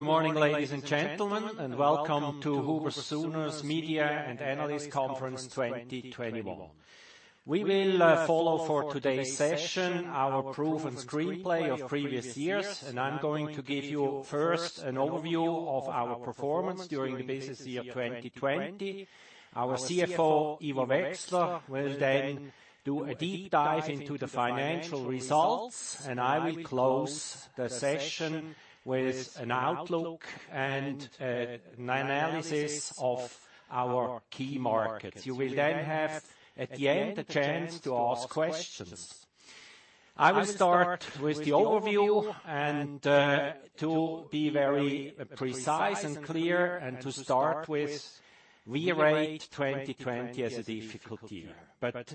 Good morning, ladies and gentlemen, and welcome to Huber+Suhner's Media and Analyst Conference 2021. We will follow for today's session our proven screenplay of previous years, and I am going to give you first an overview of our performance during the business year 2020. Our CFO, Ivo Wechsler, will then do a deep dive into the financial results, and I will close the session with an outlook and an analysis of our key markets. You will then have, at the end, a chance to ask questions. I will start with the overview and to be very precise and clear and to start with, we rate 2020 as a difficult year.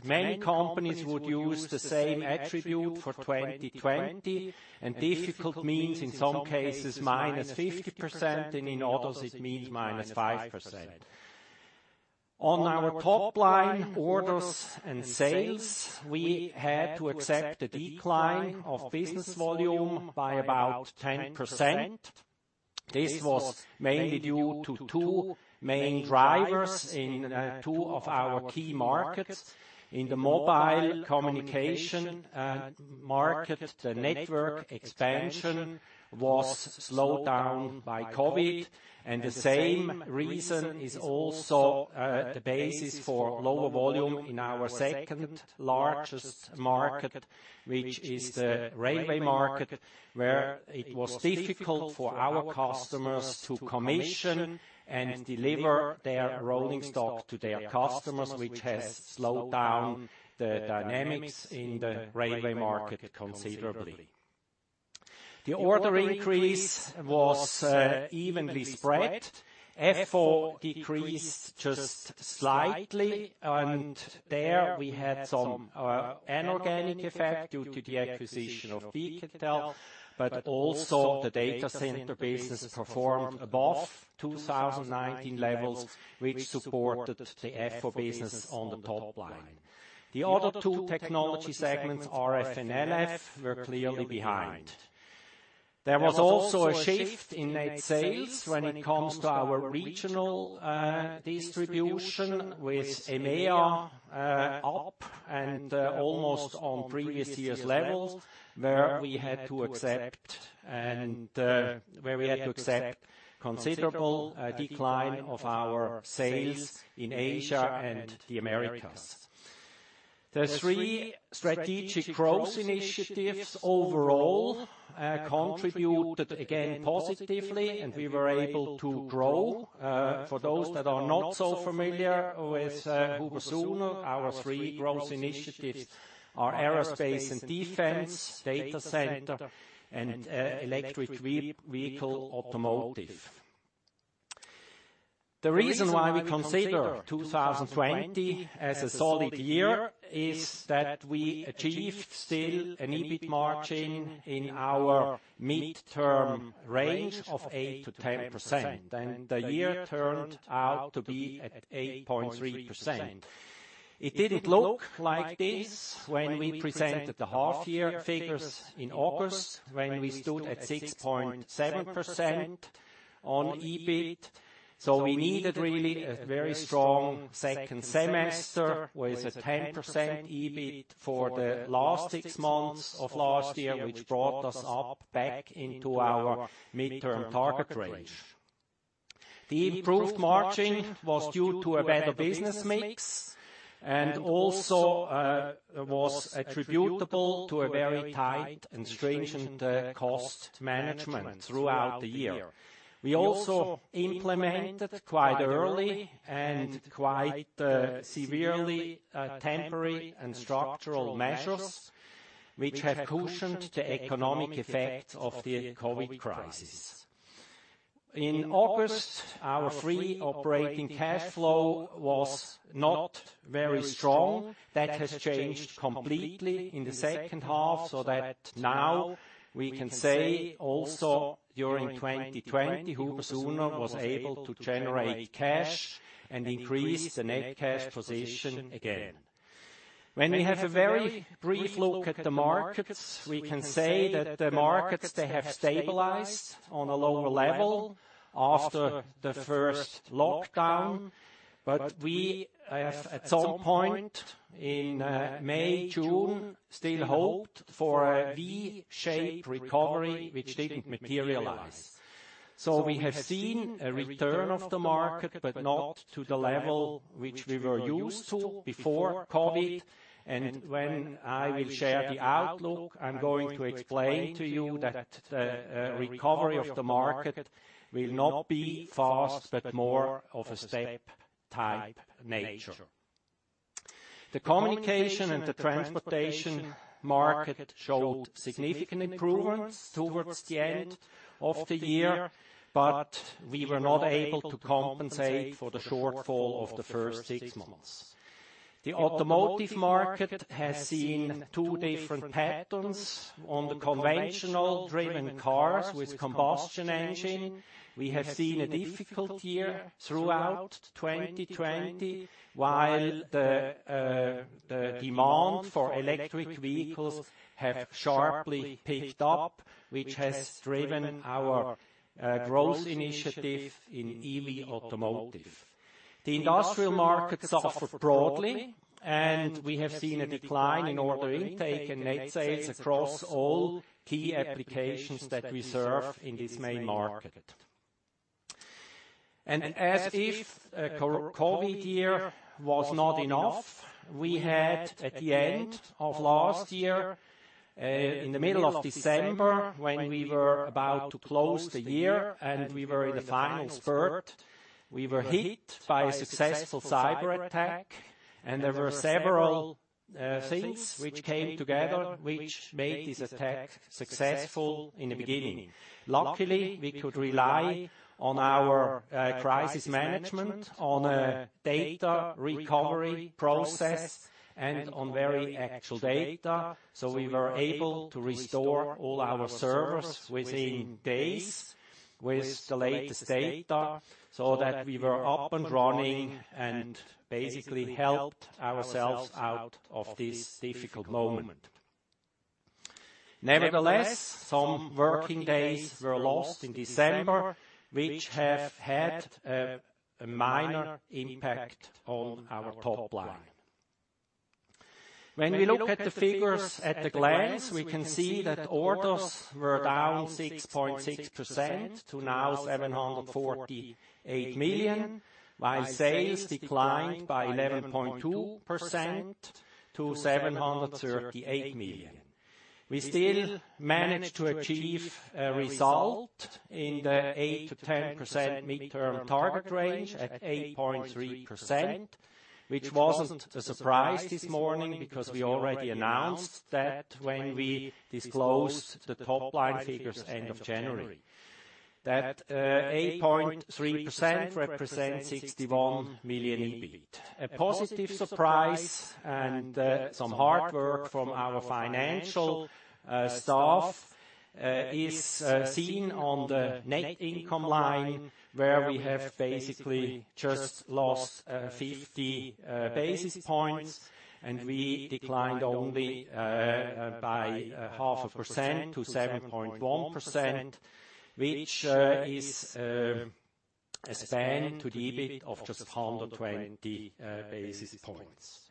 Many companies would use the same attribute for 2020, and difficult means in some cases minus 50%, and in others it means minus 5%. On our top line orders and sales, we had to accept a decline of business volume by about 10%. This was mainly due to two main drivers in two of our key markets. In the mobile communication market, the network expansion was slowed down by COVID, and the same reason is also the basis for lower volume in our second-largest market, which is the railway market, where it was difficult for our customers to commission and deliver their rolling stock to their customers, which has slowed down the dynamics in the railway market considerably. The order increase was evenly spread. Fiber Optics decreased just slightly, and there we had some inorganic effect due to the acquisition of BKtel, but also the data center business performed above 2019 levels, which supported the Fiber Optics business on the top line. The other two technology segments, RF and LF, were clearly behind. There was also a shift in net sales when it comes to our regional distribution with EMEA up and almost on previous years' levels, where we had to accept considerable decline of our sales in Asia and the Americas. The three strategic growth initiatives overall contributed again positively, and we were able to grow. For those that are not so familiar with Huber+Suhner, our three growth initiatives are Aerospace and Defense, Data Center, and Electric Vehicle Automotive. The reason why we consider 2020 as a solid year is that we achieved still an EBIT margin in our midterm range of 8%-10%, and the year turned out to be at 8.3%. It didn't look like this when we presented the half-year figures in August, when we stood at 6.7% on EBIT. We needed really a very strong second semester with a 10% EBIT for the last six months of last year, which brought us up back into our midterm target range. The improved margin was due to a better business mix, and also was attributable to a very tight and stringent cost management throughout the year. We also implemented quite early and quite severely temporary and structural measures, which have cushioned the economic effects of the COVID crisis. In August, our free operating cash flow was not very strong. That has changed completely in the second half, so that now we can say also during 2020, Huber+Suhner was able to generate cash and increase the net cash position again. When we have a very brief look at the markets, we can say that the markets, they have stabilized on a lower level after the first lockdown. We have, at some point in May, June, still hoped for a V-shaped recovery, which didn't materialize. We have seen a return of the market, but not to the level which we were used to before COVID. When I will share the outlook, I'm going to explain to you that the recovery of the market will not be fast, but more of a step-type nature. The communication and the transportation market showed significant improvements towards the end of the year, but we were not able to compensate for the shortfall of the first six months. The automotive market has seen two different patterns. On the conventional-driven cars with combustion engine, we have seen a difficult year throughout 2020, while the demand for electric vehicles has sharply picked up, which has driven our growth initiative in EV automotive. The industrial markets suffered broadly, we have seen a decline in order intake and net sales across all key applications that we serve in this main market. As if COVID year was not enough, we had at the end of last year, in the middle of December, when we were about to close the year and we were in the final spurt, we were hit by a successful cyberattack, there were several things which came together, which made this attack successful in the beginning. Luckily, we could rely on our crisis management, on a data recovery process, and on very actual data, so we were able to restore all our servers within days with the latest data, so that we were up and running and basically helped ourselves out of this difficult moment. Nevertheless, some working days were lost in December, which have had a minor impact on our top line. When we look at the figures at a glance, we can see that orders were down 6.6% to now 748 million, while sales declined by 11.2% to 738 million. We still managed to achieve a result in the 8%-10% midterm target range at 8.3%, which wasn't a surprise this morning because we already announced that when we disclosed the top-line figures end of January. That 8.3% represents 61 million EBIT. A positive surprise and some hard work from our financial staff is seen on the net income line, where we have basically just lost 50 basis points, and we declined only by half a percent to 7.1%, which is a span to the EBIT of just 120 basis points.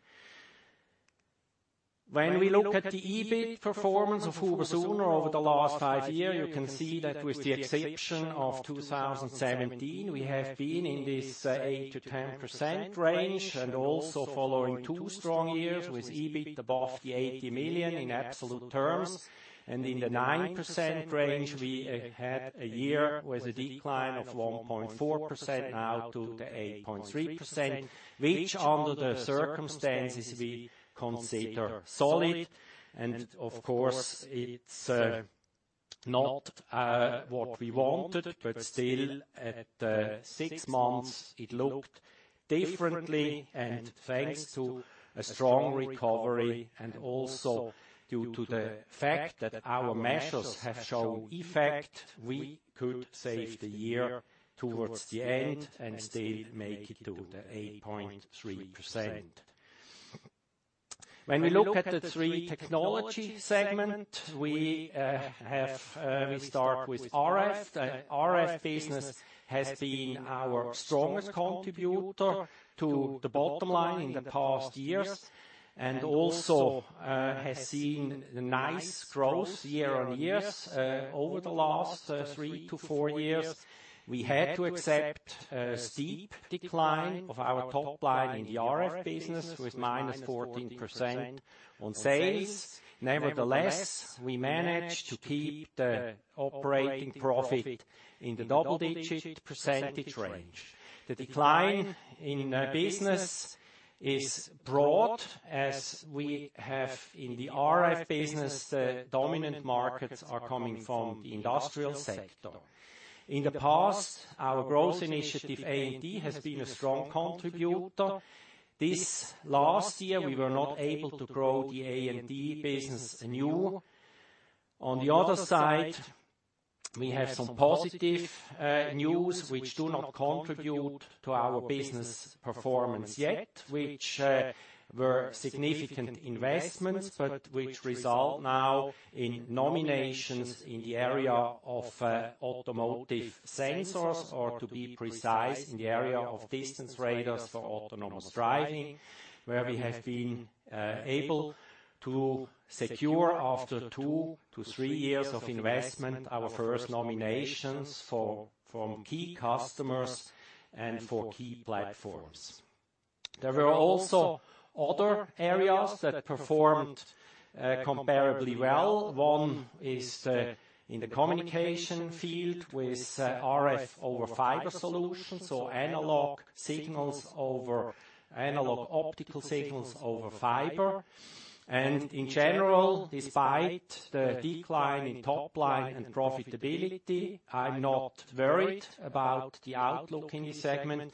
When we look at the EBIT performance of Huber+Suhner over the last five year, you can see that with the exception of 2017, we have been in this 8%-10% range, also following two strong years with EBIT above the 80 million in absolute terms. In the 9% range, we had a year with a decline of 1.4%, now to the 8.3%, which under the circumstances we consider solid. Of course, it's not what we wanted, but still at the six months it looked differently and thanks to a strong recovery and also due to the fact that our measures have shown effect, we could save the year towards the end and still make it to the 8.3%. When we look at the three technology segment, we start with RF. RF business has been our strongest contributor to the bottom line in the past years, and also has seen nice growth year-on-year, over the last three to four years. We had to accept a steep decline of our top line in the RF business with -14% on sales. Nevertheless, we managed to keep the operating profit in the double-digit percentage range. The decline in business is broad, as we have in the RF business, the dominant markets are coming from the industrial sector. In the past, our growth initiative A&D has been a strong contributor. This last year, we were not able to grow the A&D business anew. On the other side, we have some positive news which do not contribute to our business performance yet, which were significant investments, but which result now in nominations in the area of automotive sensors, or to be precise, in the area of distance radars for autonomous driving, where we have been able to secure after two to three years of investment, our first nominations from key customers and for key platforms. There were also other areas that performed comparably well. One is in the communication field with RF over Fiber solutions, so analog optical signals over fiber. In general, despite the decline in top line and profitability, I'm not worried about the outlook in this segment,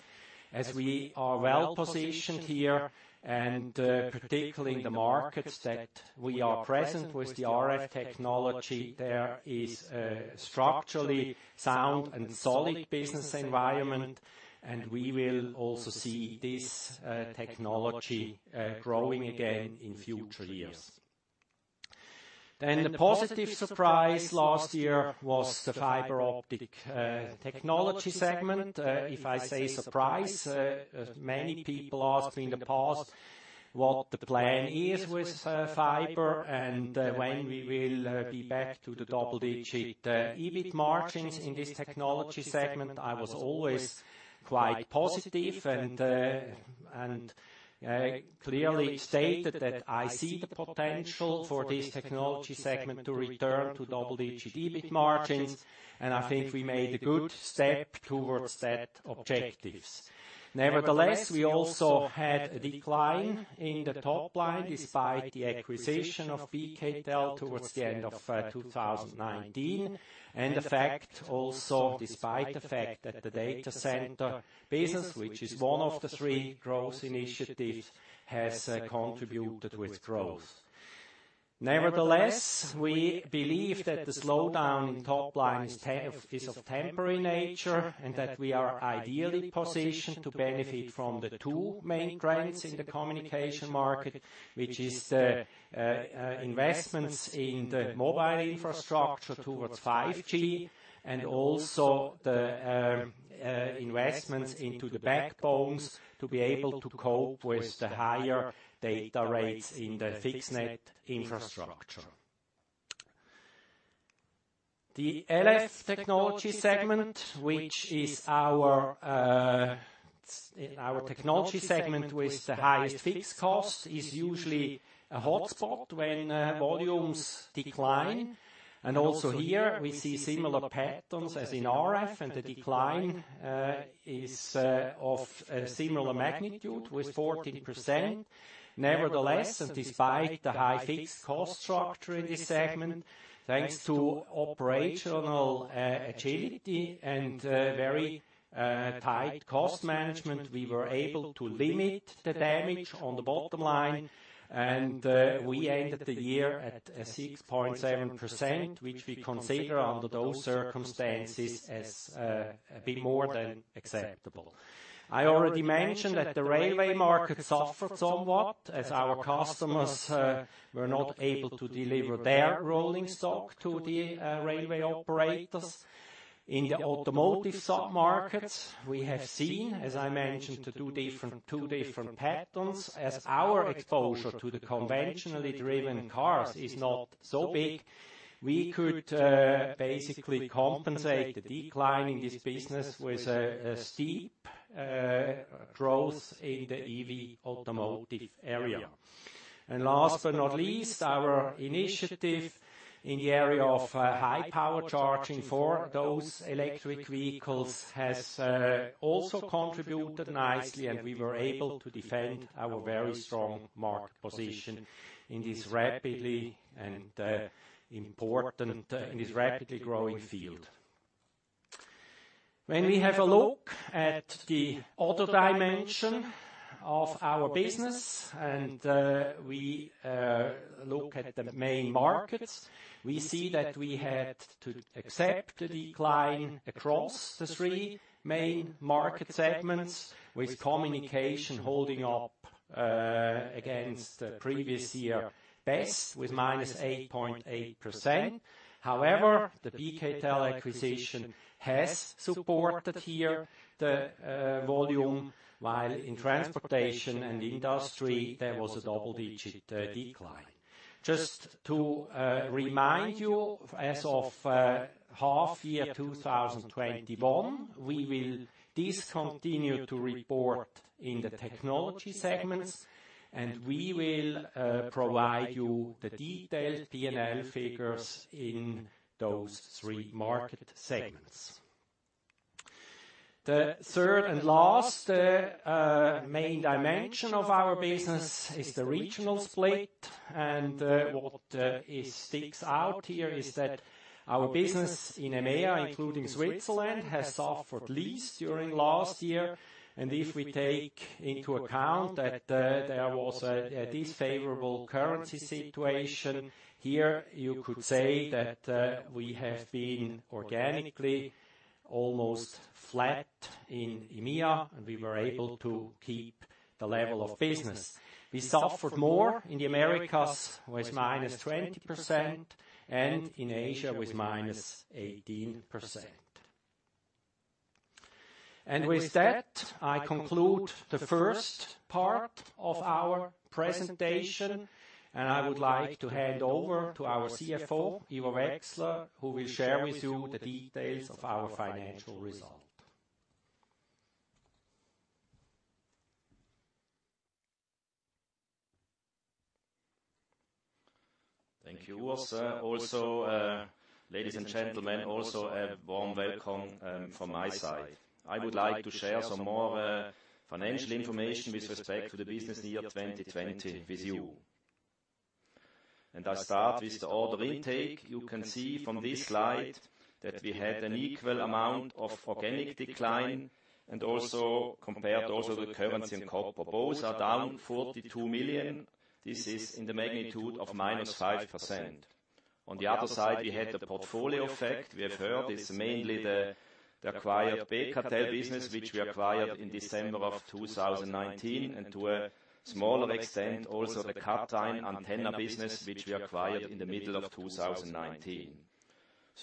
as we are well-positioned here and particularly in the markets that we are present with the RF technology, there is a structurally sound and solid business environment, and we will also see this technology growing again in future years. The positive surprise last year was the Fiber Optics technology segment. If I say surprise, many people ask in the past what the plan is with fiber and when we will be back to the double-digit EBIT margins in this technology segment. I was always quite positive and clearly stated that I see the potential for this technology segment to return to double-digit EBIT margins, and I think we made a good step towards that objectives. Nevertheless, we also had a decline in the top line despite the acquisition of BKtel towards the end of 2019, and despite the fact that the data center business, which is one of the three growth initiatives, has contributed with growth. Nevertheless, we believe that the slowdown in top line is of temporary nature, and that we are ideally positioned to benefit from the two main trends in the communication market, which is the investments in the mobile infrastructure towards 5G and also the investments into the backbones to be able to cope with the higher data rates in the fixed net infrastructure. The LF technology segment, which is our technology segment with the highest fixed cost, is usually a hotspot when volumes decline. Also here we see similar patterns as in RF, and the decline is of a similar magnitude with 14%. Nevertheless, despite the high fixed cost structure in this segment, thanks to operational agility and very tight cost management, we were able to limit the damage on the bottom line. We ended the year at 6.7%, which we consider under those circumstances as a bit more than acceptable. I already mentioned that the railway market suffered somewhat as our customers were not able to deliver their rolling stock to the railway operators. In the automotive sub-markets, we have seen, as I mentioned, two different patterns. As our exposure to the conventionally driven cars is not so big, we could basically compensate the decline in this business with a steep growth in the EV automotive area. Last but not least, our initiative in the area of high power charging for those electric vehicles has also contributed nicely, and we were able to defend our very strong market position in this rapidly growing field. When we have a look at the other dimension of our business, and we look at the main markets, we see that we had to accept the decline across the three main market segments, with communication holding up against previous year best with -8.8%. However, the BKtel acquisition has supported here the volume, while in transportation and industry there was a double-digit decline. Just to remind you, as of half year 2021, we will discontinue to report in the technology segments, and we will provide you the detailed P&L figures in those three market segments. The third and last main dimension of our business is the regional split. What sticks out here is that our business in EMEA, including Switzerland, has suffered least during last year. If we take into account that there was an unfavorable currency situation here, you could say that we have been organically almost flat in EMEA, and we were able to keep the level of business. We suffered more in the Americas with -20%, and in Asia with -18%. With that, I conclude the first part of our presentation, and I would like to hand over to our CFO, Ivo Wechsler, who will share with you the details of our financial result. Thank you, Urs. Ladies and gentlemen, a warm welcome from my side. I would like to share some more financial information with respect to the business year 2020 with you. I start with the order intake. You can see from this slide that we had an equal amount of organic decline and compared the currency and scope. Both are down 42 million. This is in the magnitude of -5%. On the other side, we had the portfolio effect. We have heard it's mainly the acquired BKtel business, which we acquired in December of 2019, and to a smaller extent, also the Kathrein antenna business, which we acquired in the middle of 2019.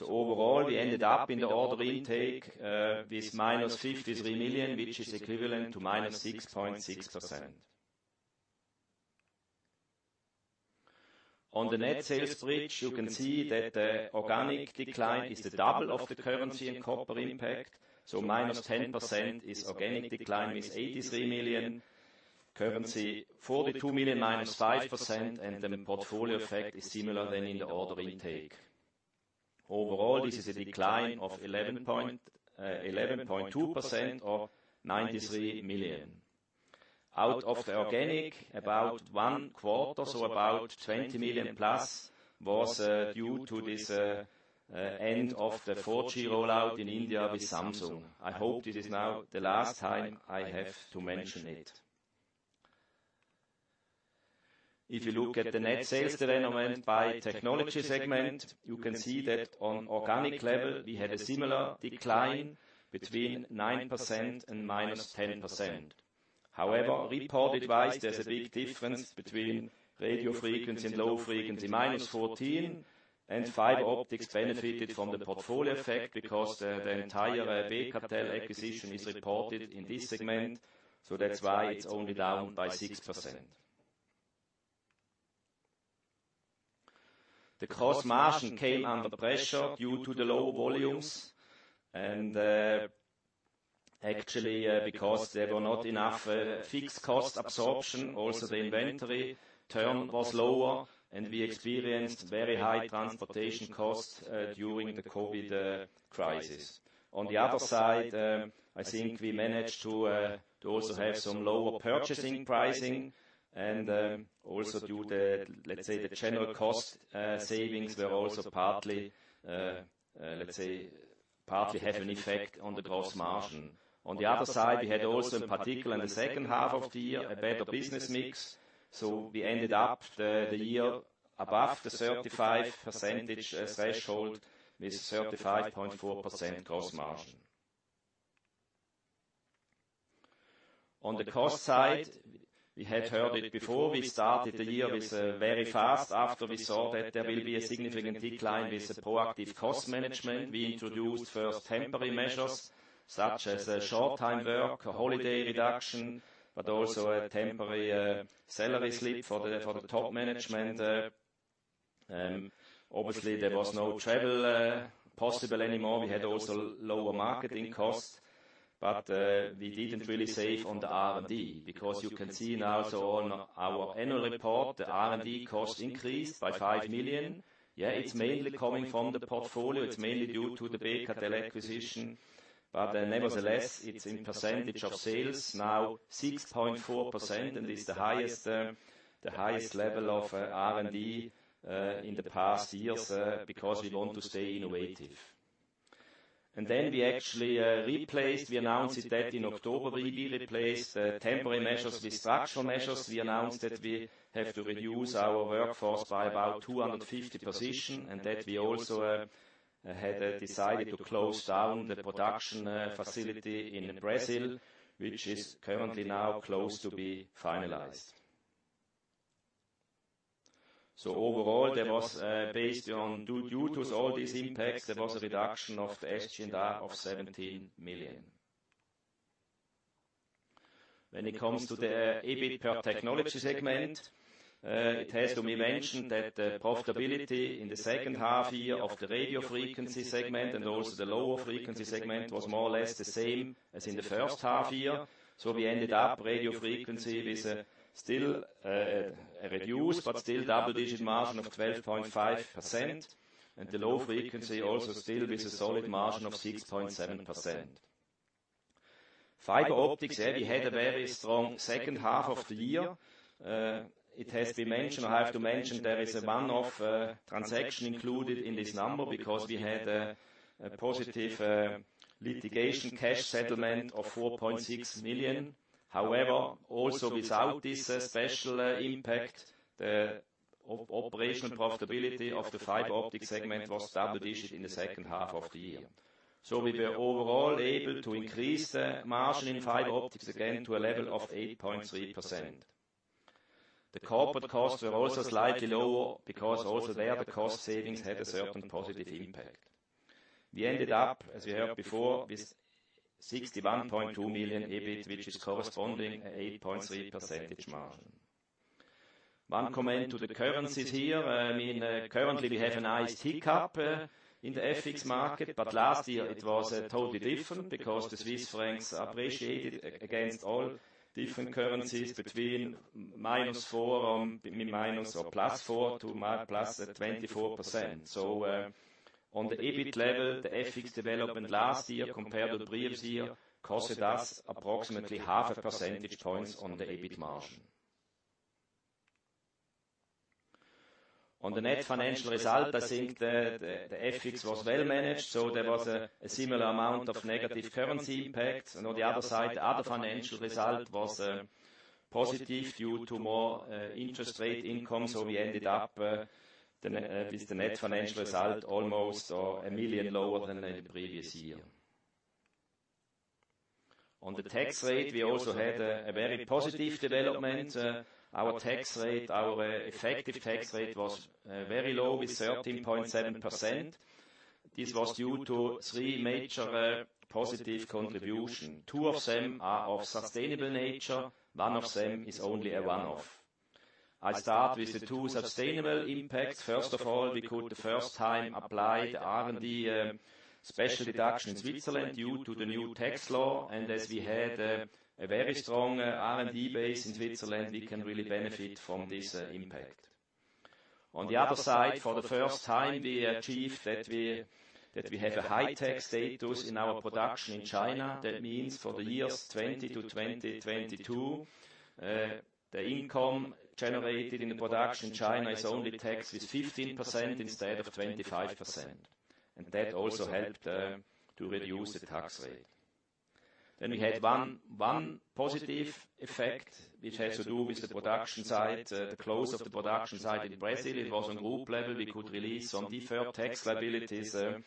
Overall, we ended up in the order intake, this minus 53 million, which is equivalent to -6.6%. On the net sales bridge, you can see that the organic decline is the double of the currency and corporate impact. -10% is organic decline with 83 million. Currency, 42 million, -5%, and the portfolio effect is similar than in the order intake. Overall, this is a decline of 11.2% or 93 million. Out of the organic, about one quarter, so about 20 million plus was due to this end of the 4G rollout in India with Samsung. I hope this is now the last time I have to mention it. If you look at the net sales development by technology segment, you can see that on organic level, we had a similar decline between 9% and -10%. However, reported-wise, there's a big difference between Radio Frequency and Low Frequency, -14%, and Fiber Optics benefited from the portfolio effect because the entire BKtel acquisition is reported in this segment. That's why it's only down by 6%. The gross margin came under pressure due to the low volumes, and actually because there were not enough fixed cost absorption. The inventory turn was lower, and we experienced very high transportation costs during the COVID crisis. On the other side, I think we managed to also have some lower purchasing pricing, and also due to, let's say, the general cost savings were also partly have an effect on the gross margin. On the other side, we had also in particular in the second half of the year, a better business mix. We ended up the year above the 35% threshold with 35.4% gross margin. On the cost side, we had heard it before. We started the year with very fast after we saw that there will be a significant decline with the proactive cost management. We introduced first temporary measures such as short-time work or holiday reduction, but also a temporary salary slip for the top management. Obviously, there was no travel possible anymore. We had also lower marketing costs, but we didn't really save on the R&D because you can see now on our annual report, the R&D cost increased by 5 million. It's mainly coming from the portfolio. It's mainly due to the BKtel acquisition. Nevertheless, it's in percentage of sales now 6.4% and is the highest level of R&D in the past years because we want to stay innovative. We actually replaced, we announced that in October, we replaced temporary measures with structural measures. We announced that we have to reduce our workforce by about 250 positions, and that we also had decided to close down the production facility in Brazil, which is currently now close to be finalized. Overall, based on due to all these impacts, there was a reduction of the SG&A of 17 million. When it comes to the EBIT per technology segment, it has to be mentioned that the profitability in the second half-year of the Radio Frequency segment and also the Low Frequency segment was more or less the same as in the first half-year. We ended up Radio Frequency with a reduced, but still double-digit margin of 12.5%. The Low Frequency also still with a solid margin of 6.7%. Fiber Optics, we had a very strong second half-year. It has been mentioned, I have to mention there is a one-off transaction included in this number because we had a positive litigation cash settlement of 4.6 million. However, also without this special impact, the operational profitability of the Fiber Optics segment was double-digit in the second half of the year. We were overall able to increase the margin in Fiber Optics again to a level of 8.3%. The corporate costs were also slightly lower because also there, the cost savings had a certain positive impact. We ended up, as you heard before, with 61.2 million EBIT, which is corresponding 8.3% margin. One comment to the currencies here. Currently, we have a nice hiccup in the FX market, last year it was totally different because the Swiss francs appreciated against all different currencies between -4%, ±4% to +24%. On the EBIT level, the FX development last year compared with previous year cost us approximately half a percentage point on the EBIT margin. On the net financial result, I think the FX was well managed, there was a similar amount of negative currency impact. On the other side, other financial result was positive due to more interest rate income. We ended up with the net financial result almost 1 million lower than the previous year. On the tax rate, we also had a very positive development. Our effective tax rate was very low with 13.7%. This was due to three major positive contributions. Two of them are of sustainable nature. One of them is only a one-off. I start with the two sustainable impacts. First of all, we could the first time apply the R&D special deduction in Switzerland due to the new tax law. As we had a very strong R&D base in Switzerland, we can really benefit from this impact. On the other side, for the first time, we achieved that we have a high-tech status in our production in China. That means for the years 2020 to 2022, the income generated in the production in China is only taxed with 15% instead of 25%. That also helped to reduce the tax rate. We had one positive effect, which has to do with the production side, the close of the production side in Brazil. It was on group level, we could release some deferred tax liabilities in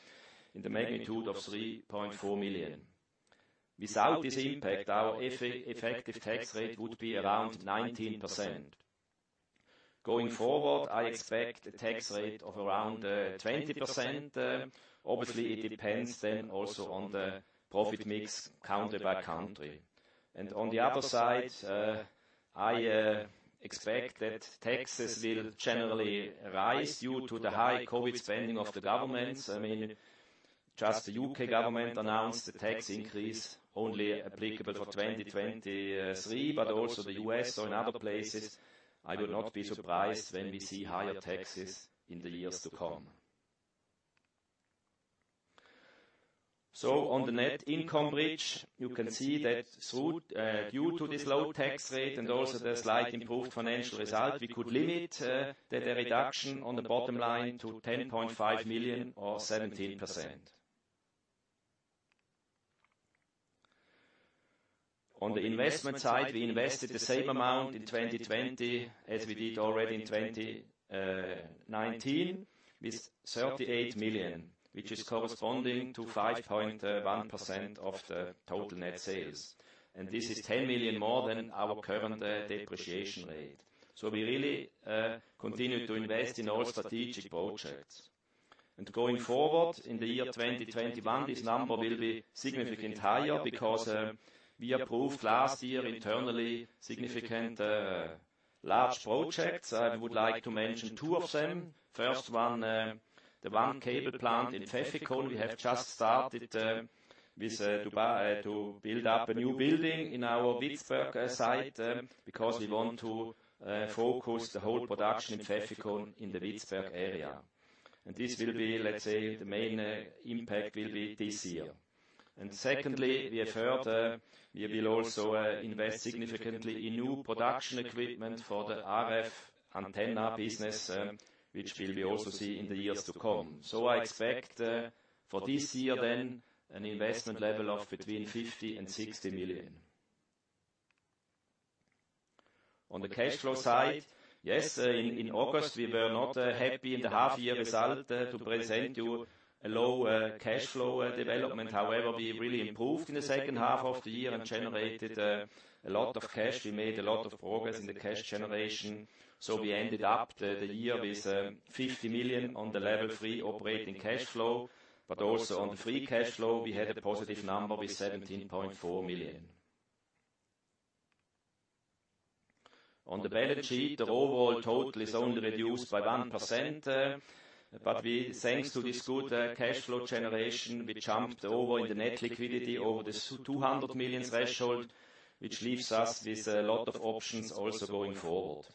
the magnitude of 3.4 million. Without this impact, our effective tax rate would be around 19%. Going forward, I expect a tax rate of around 20%. Obviously, it depends then also on the profit mix country by country. On the other side, I expect that taxes will generally rise due to the high COVID spending of the governments. Just the U.K. government announced the tax increase only applicable for 2023, but also the U.S. or in other places, I would not be surprised when we see higher taxes in the years to come. On the net income bridge, you can see that due to this low tax rate and also the slight improved financial result, we could limit the reduction on the bottom line to 10.5 million or 17%. On the investment side, we invested the same amount in 2020 as we did already in 2019, with 38 million, which is corresponding to 5.1% of the total net sales. This is 10 million more than our current depreciation rate. We really continue to invest in all strategic projects. Going forward in the year 2021, this number will be significantly higher because we approved last year internally significant large projects. I would like to mention two of them. First one, the one cable plant in Pfäffikon, we have just started to build up a new building in our Witzberg site because we want to focus the whole production in Pfäffikon in the Witzberg area. This will be, let's say, the main impact will be this year. Secondly, we have heard we will also invest significantly in new production equipment for the RF antenna business, which will be also seen in the years to come. I expect for this year then an investment level of between 50 million- 60 million. On the cash flow side, yes, in August, we were not happy in the half year result to present you a low cash flow development. We really improved in the second half of the year and generated a lot of cash. We made a lot of progress in the cash generation. We ended up the year with 50 million on the Level 3 operating cash flow, but also on the free cash flow, we had a positive number with 17.4 million. On the balance sheet, the overall total is only reduced by 1%, but thanks to this good cash flow generation, we jumped over in the net liquidity over the 200 million threshold, which leaves us with a lot of options also going forward.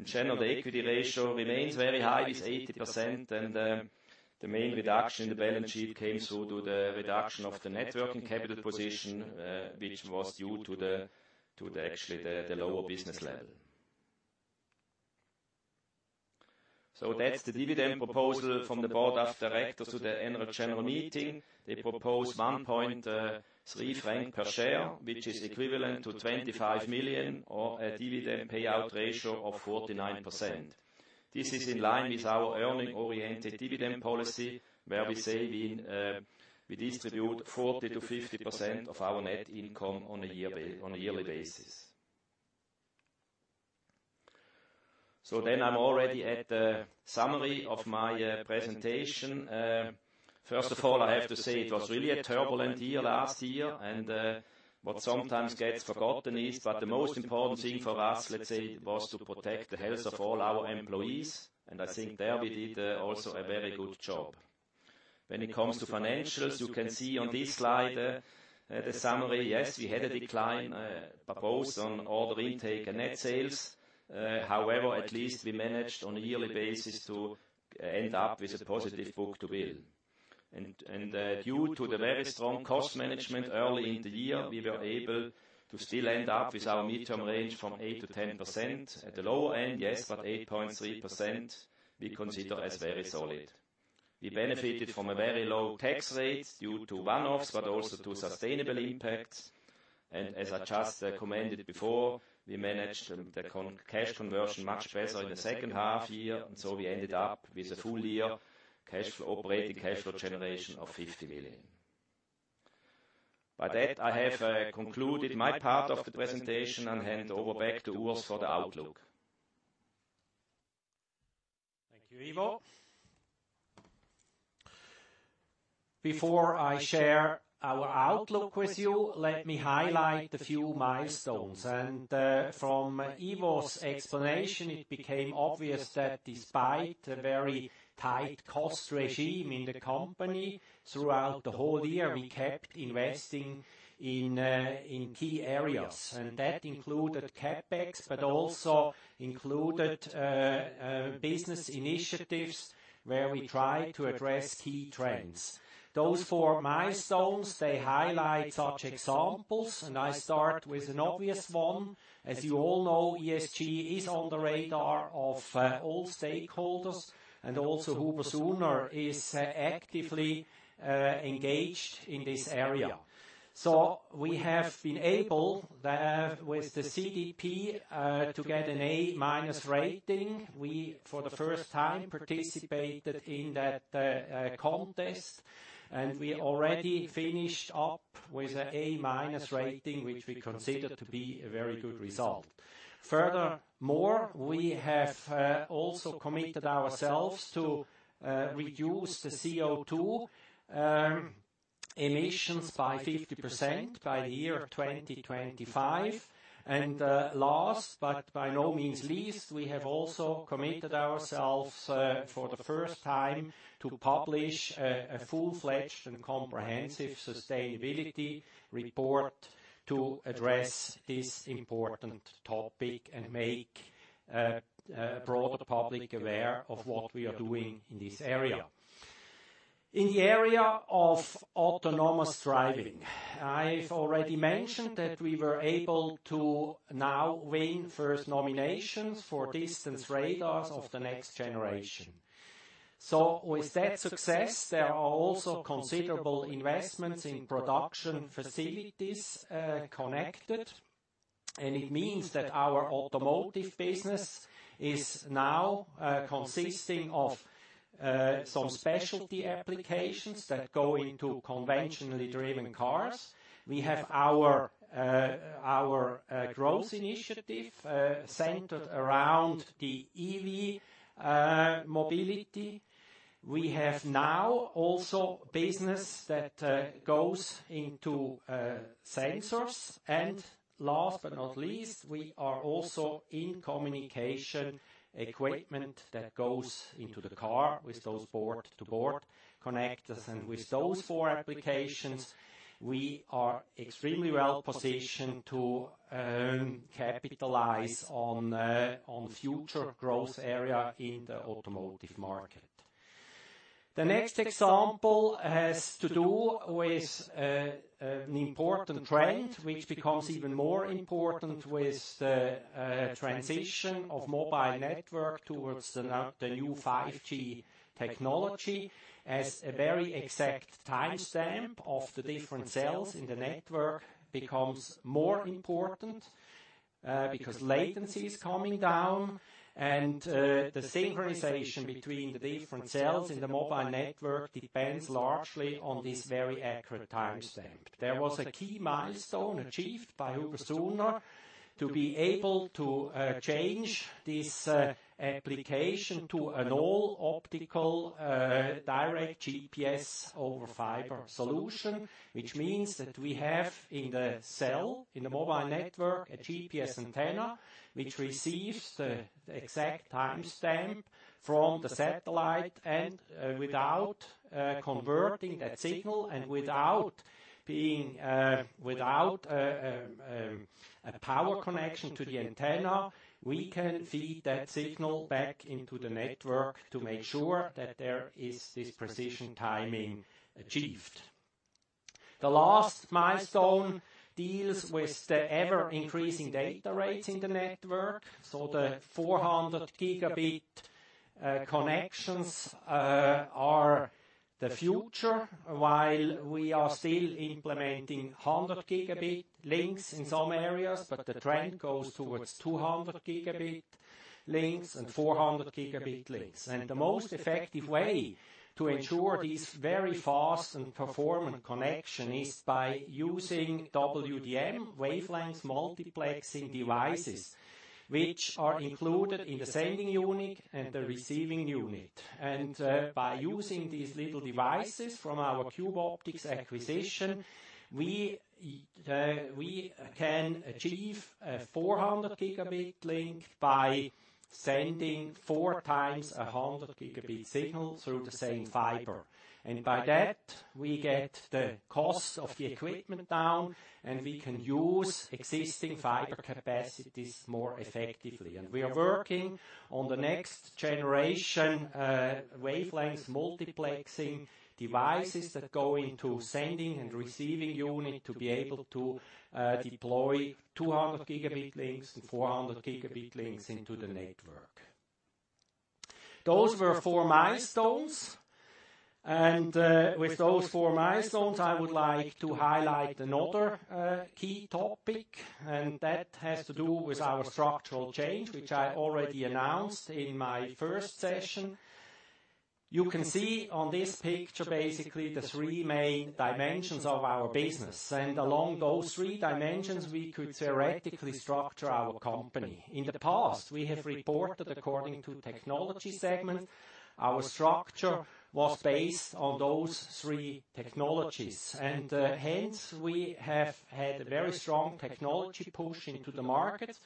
In general, the equity ratio remains very high with 80%, and the main reduction in the balance sheet came through to the reduction of the net working capital position, which was due to the actually the lower business level. That's the dividend proposal from the board of directors to the annual general meeting. They propose 1.3 franc per share, which is equivalent to 25 million or a dividend payout ratio of 49%. This is in line with our earning-oriented dividend policy, where we say we distribute 40%-50% of our net income on a yearly basis. I'm already at the summary of my presentation. First of all, I have to say it was really a turbulent year last year, and what sometimes gets forgotten is the most important thing for us, let's say, was to protect the health of all our employees, and I think there we did also a very good job. When it comes to financials, you can see on this slide the summary. Yes, we had a decline, both on order intake and net sales. However, at least we managed on a yearly basis to end up with a positive book-to-bill. Due to the very strong cost management early in the year, we were able to still end up with our midterm range from 8%-10%. At the lower end, yes, 8.3% we consider as very solid. We benefited from a very low tax rate due to one-offs, but also to sustainable impacts. As I just commented before, we managed the cash conversion much better in the second half year. We ended up with a full year operating cash flow generation of 50 million. By that, I have concluded my part of the presentation and hand over back to Urs for the outlook. Thank you, Ivo. Before I share our outlook with you, let me highlight a few milestones. From Ivo's explanation, it became obvious that despite the very tight cost regime in the company throughout the whole year, we kept investing in key areas. That included CapEx, but also included business initiatives where we try to address key trends. Those four milestones, they highlight such examples. I start with an obvious one. As you all know, ESG is on the radar of all stakeholders. Also Huber+Suhner is actively engaged in this area. We have been able, with the CDP, to get an A-minus rating. We, for the first time, participated in that contest. We already finished up with an A-minus rating, which we consider to be a very good result. Furthermore, we have also committed ourselves to reduce the CO2 emissions by 50% by the year 2025. Last, but by no means least, we have also committed ourselves, for the first time, to publish a full-fledged and comprehensive sustainability report to address this important topic and make a broader public aware of what we are doing in this area. In the area of autonomous driving, I've already mentioned that we were able to now win first nominations for distance radars of the next generation. With that success, there are also considerable investments in production facilities connected, and it means that our automotive business is now consisting of some specialty applications that go into conventionally driven cars. We have our growth initiative centered around the EV mobility. We have now also business that goes into sensors. Last but not least, we are also in communication equipment that goes into the car with those board-to-board connectors. With those four applications, we are extremely well-positioned to capitalize on future growth area in the automotive market. The next example has to do with an important trend, which becomes even more important with the transition of mobile network towards the new 5G technology. A very exact timestamp of the different cells in the network becomes more important, because latency is coming down and the synchronization between the different cells in the mobile network depends largely on this very accurate timestamp. There was a key milestone achieved by Huber+Suhner to be able to change this application to an all-optical direct GPS over Fiber solution, which means that we have in the cell, in the mobile network, a GPS antenna, which receives the exact timestamp from the satellite. Without converting that signal and without a power connection to the antenna, we can feed that signal back into the network to make sure that there is this precision timing achieved. The last milestone deals with the ever-increasing data rates in the network. The 400 Gb connections are the future, while we are still implementing 100 Gb links in some areas, but the trend goes towards 200 Gb links and 400 Gb links. The most effective way to ensure this very fast and performant connection is by using WDM, wavelength multiplexing devices, which are included in the sending unit and the receiving unit. By using these little devices from our Cube Optics acquisition, we can achieve a 400 Gb link by sending four times 100 Gb signal through the same fiber. By that, we get the cost of the equipment down, and we can use existing fiber capacities more effectively. We are working on the next generation wavelength multiplexing devices that go into sending and receiving unit to be able to deploy 200 Gb links and 400 Gb links into the network. Those were four milestones. With those four milestones, I would like to highlight another key topic, and that has to do with our structural change, which I already announced in my first session. You can see on this picture basically the three main dimensions of our business, and along those three dimensions, we could theoretically structure our company. In the past, we have reported according to technology segment. Our structure was based on those three technologies, and hence we have had a very strong technology push into the market,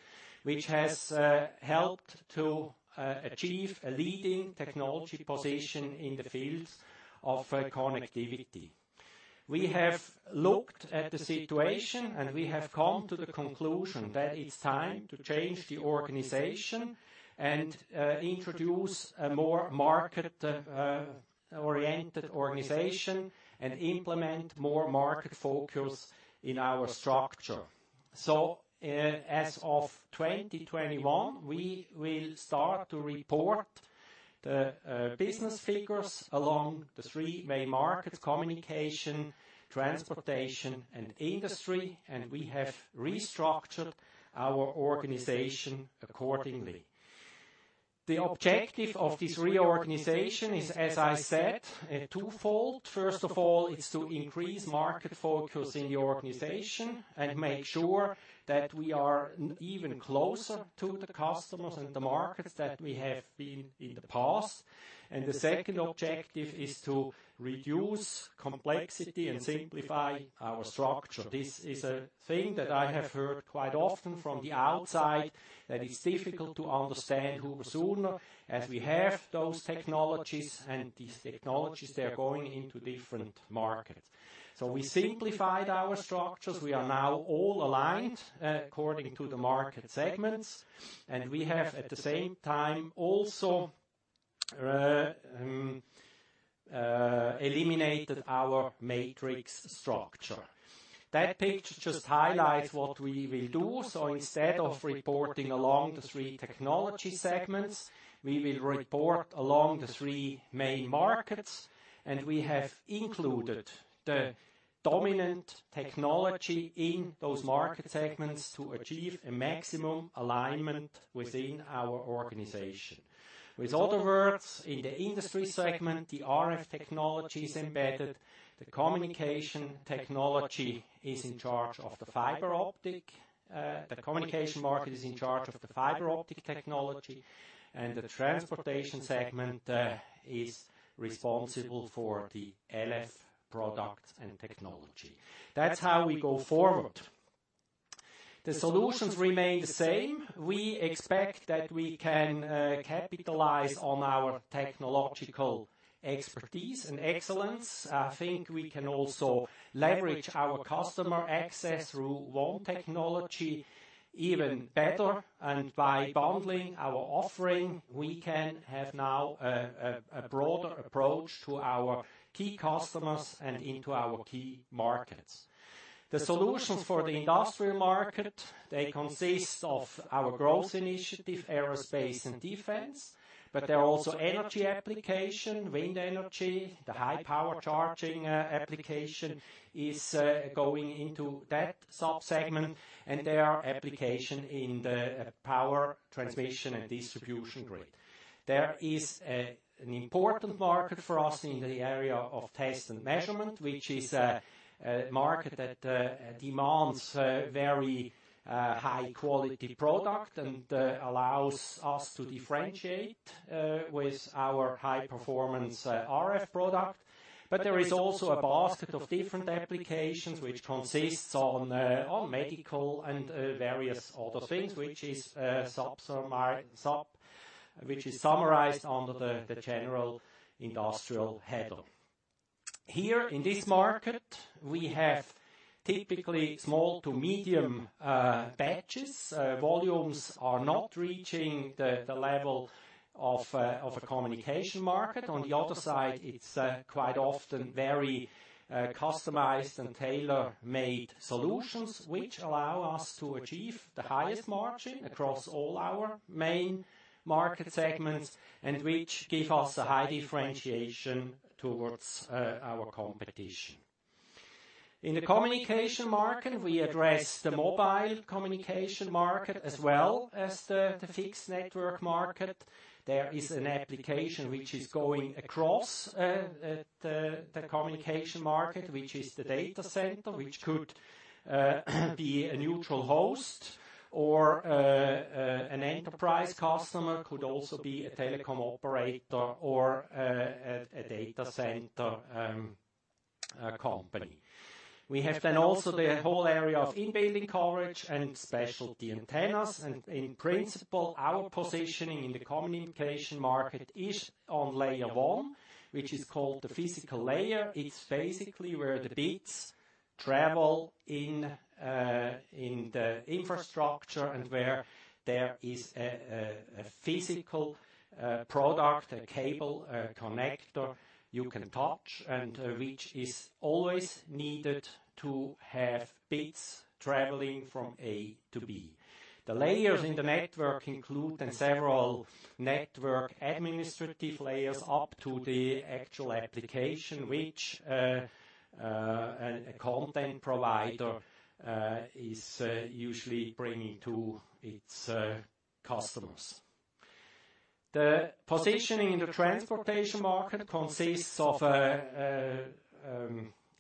which has helped to achieve a leading technology position in the field of connectivity. We have looked at the situation, and we have come to the conclusion that it's time to change the organization and introduce a more market-oriented organization and implement more market focus in our structure. As of 2021, we will start to report the business figures along the three main markets, communication, transportation, and industry, and we have restructured our organization accordingly. The objective of this reorganization is, as I said, twofold. First of all, it's to increase market focus in the organization and make sure that we are even closer to the customers and the markets than we have been in the past. The second objective is to reduce complexity and simplify our structure. This is a thing that I have heard quite often from the outside, that it's difficult to understand Huber+Suhner, as we have those technologies and these technologies, they're going into different markets. We simplified our structures. We are now all aligned according to the market segments, and we have, at the same time, also eliminated our matrix structure. That picture just highlights what we will do. Instead of reporting along the three technology segments, we will report along the three main markets, and we have included the dominant technology in those market segments to achieve a maximum alignment within our organization. With other words, in the industry segment, the RF technology is embedded. The communication technology is in charge of the Fiber Optics. The communication market is in charge of the fiber optic technology, and the transportation segment is responsible for the Low Frequency product and technology. That's how we go forward. The solutions remain the same. We expect that we can capitalize on our technological expertise and excellence. I think we can also leverage our customer access through one technology even better, and by bundling our offering, we can have now a broader approach to our key customers and into our key markets. The solutions for the industrial market, they consist of our growth initiative, Aerospace and Defense, but there are also energy applications, wind energy. The high power charging application is going into that sub-segment, and there are applications in the power transmission and distribution grid. There is an important market for us in the area of test and measurement, which is a market that demands very high-quality product and allows us to differentiate with our high-performance RF product. There is also a basket of different applications which consists on medical and various other things, which is summarized under the general industrial handle. Here in this market, we have typically small to medium batches. Volumes are not reaching the level of a communication market. On the other side, it's quite often very customized and tailor-made solutions, which allow us to achieve the highest margin across all our main market segments and which give us a high differentiation towards our competition. In the communication market, we address the mobile communication market as well as the fixed network market. There is an application which is going across the communication market, which is the data center, which could be a neutral host or an enterprise customer, could also be a telecom operator or a data center company. We have also the whole area of in-building coverage and specialty antennas. In principle, our positioning in the communication market is on layer 1, which is called the physical layer. It's basically where the bits travel in the infrastructure and where there is a physical product, a cable, a connector you can touch and which is always needed to have bits traveling from A-B. The layers in the network include several network administrative layers up to the actual application, which a content provider is usually bringing to its customers. The positioning in the transportation market consists of a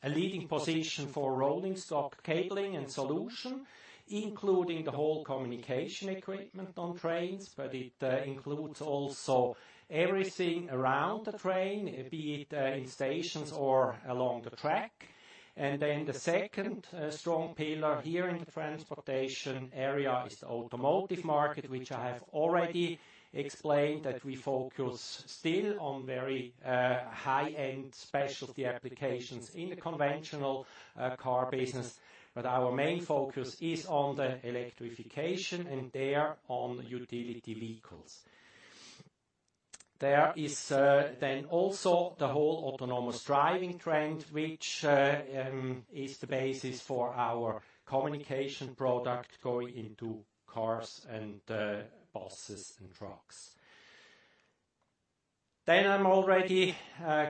leading position for rolling stock cabling and solution, including the whole communication equipment on trains, but it includes also everything around the train, be it in stations or along the track. The second strong pillar here in the transportation area is the automotive market, which I have already explained, that we focus still on very high-end specialty applications in the conventional car business. Our main focus is on the electrification, and there, on utility vehicles. There is also the whole autonomous driving trend, which is the basis for our communication product going into cars and buses and trucks. I'm already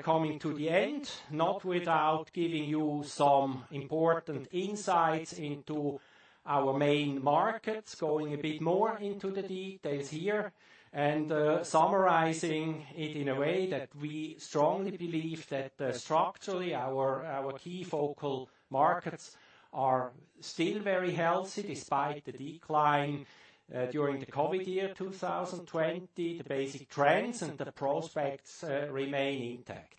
coming to the end, not without giving you some important insights into our main markets, going a bit more into the details here and summarizing it in a way that we strongly believe that structurally, our key focal markets are still very healthy despite the decline during the COVID year 2020. The basic trends and the prospects remain intact.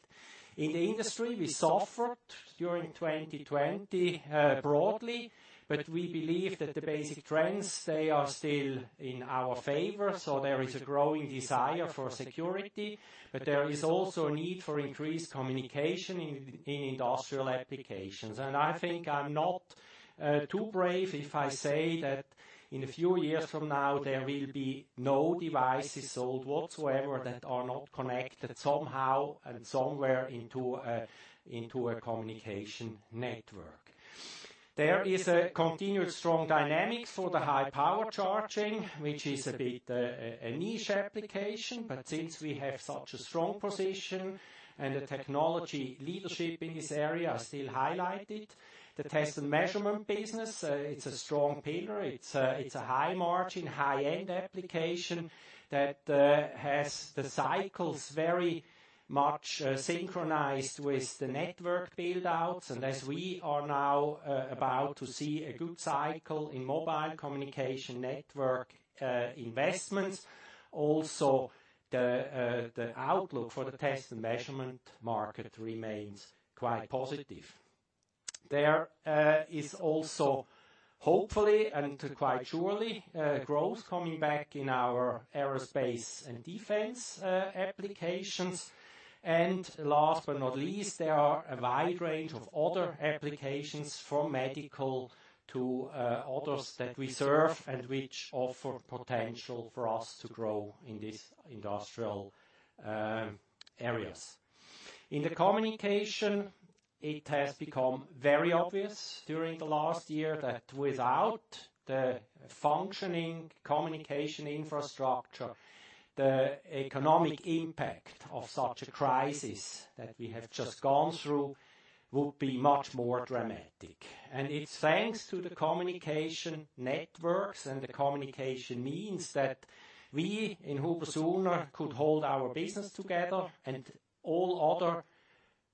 In the industry, we suffered during 2020 broadly, but we believe that the basic trends, they are still in our favor. There is a growing desire for security, but there is also a need for increased communication in industrial applications. I think I'm not too brave if I say that in a few years from now, there will be no devices sold whatsoever that are not connected somehow and somewhere into a communication network. There is a continued strong dynamic for the high-power charging, which is a bit a niche application, but since we have such a strong position and the technology leadership in this area are still highlighted. The test and measurement business, it's a strong pillar. It's a high margin, high-end application that has the cycles very much synchronized with the network build-outs. As we are now about to see a good cycle in mobile communication network investments, also the outlook for the test and measurement market remains quite positive. There is also hopefully, and quite surely, growth coming back in our aerospace and defense applications. Last but not least, there are a wide range of other applications from medical to others that we serve and which offer potential for us to grow in these industrial areas. In the communication, it has become very obvious during the last year that without the functioning communication infrastructure, the economic impact of such a crisis that we have just gone through would be much more dramatic. It's thanks to the communication networks and the communication means that we in Huber+Suhner could hold our business together, and all other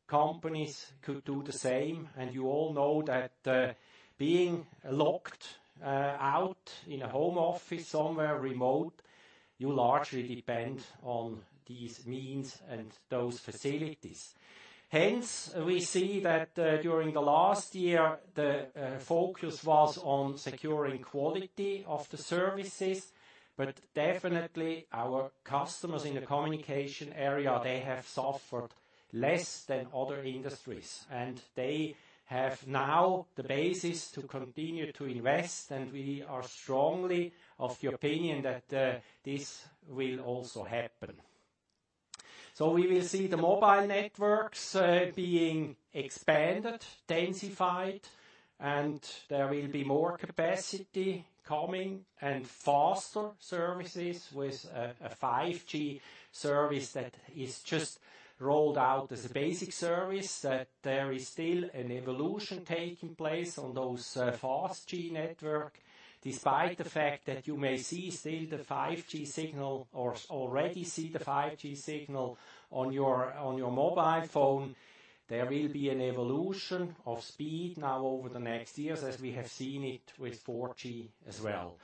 companies could do the same. You all know that being locked out in a home office somewhere remote, you largely depend on these means and those facilities. Hence, we see that during the last year, the focus was on securing quality of the services, but definitely our customers in the communication area, they have suffered less than other industries, and they have now the basis to continue to invest, and we are strongly of the opinion that this will also happen. We will see the mobile networks being expanded, densified, and there will be more capacity coming and faster services with a 5G service that is just rolled out as a basic service, that there is still an evolution taking place on those 5G network. Despite the fact that you may see still the 5G signal or already see the 5G signal on your mobile phone, there will be an evolution of speed now over the next years, as we have seen it with 4G as well.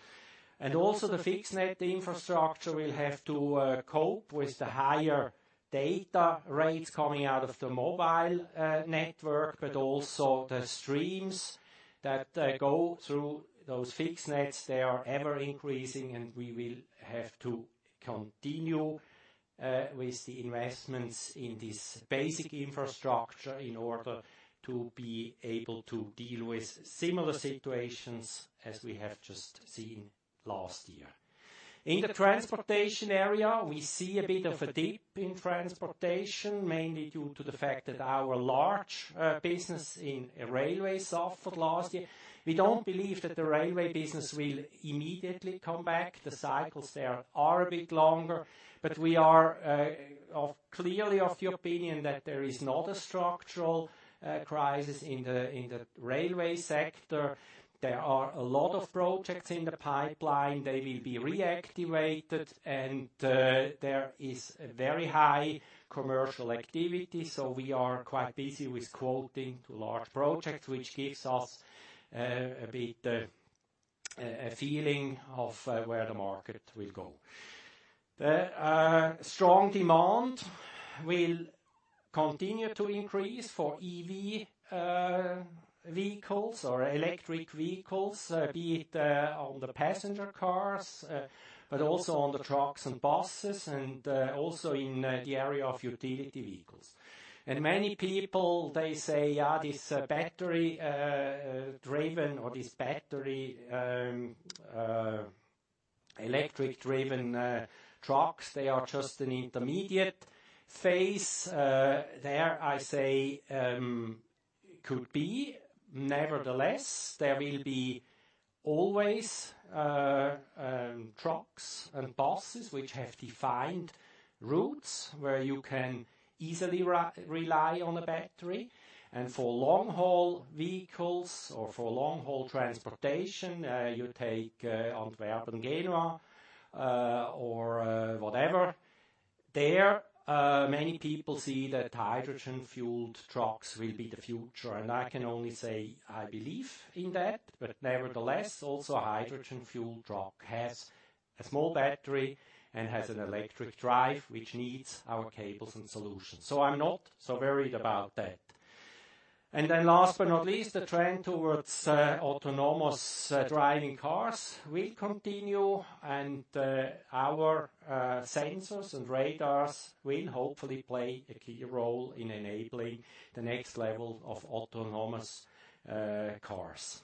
Also the fixed net infrastructure will have to cope with the higher data rates coming out of the mobile network, but also the streams that go through those fixed nets, they are ever increasing, and we will have to continue with the investments in this basic infrastructure in order to be able to deal with similar situations as we have just seen last year. In the transportation area, we see a bit of a dip in transportation, mainly due to the fact that our large business in railways suffered last year. We don't believe that the railway business will immediately come back. The cycles there are a bit longer, but we are clearly of the opinion that there is not a structural crisis in the railway sector. There are a lot of projects in the pipeline. They will be reactivated, and there is very high commercial activity. We are quite busy with quoting to large projects, which gives us a bitA feeling of where the market will go. The strong demand will continue to increase for EV vehicles or electric vehicles, be it on the passenger cars, but also on the trucks and buses, and also in the area of utility vehicles. Many people, they say, this battery-driven or this battery electric-driven trucks, they are just an intermediate phase. There I say, could be. Nevertheless, there will be always trucks and buses which have defined routes, where you can easily rely on a battery. For long-haul vehicles or for long-haul transportation, you take Antwerp and Genoa or whatever, there many people see that hydrogen-fueled trucks will be the future. I can only say I believe in that, but nevertheless, also hydrogen fuel truck has a small battery and has an electric drive, which needs our cables and solutions. I'm not so worried about that. Last but not least, the trend towards autonomous driving cars will continue, and our sensors and radars will hopefully play a key role in enabling the next level of autonomous cars.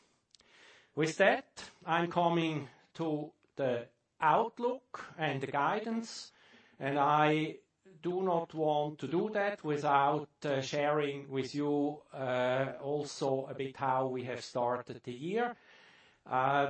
With that, I'm coming to the outlook and the guidance, and I do not want to do that without sharing with you also a bit how we have started the year.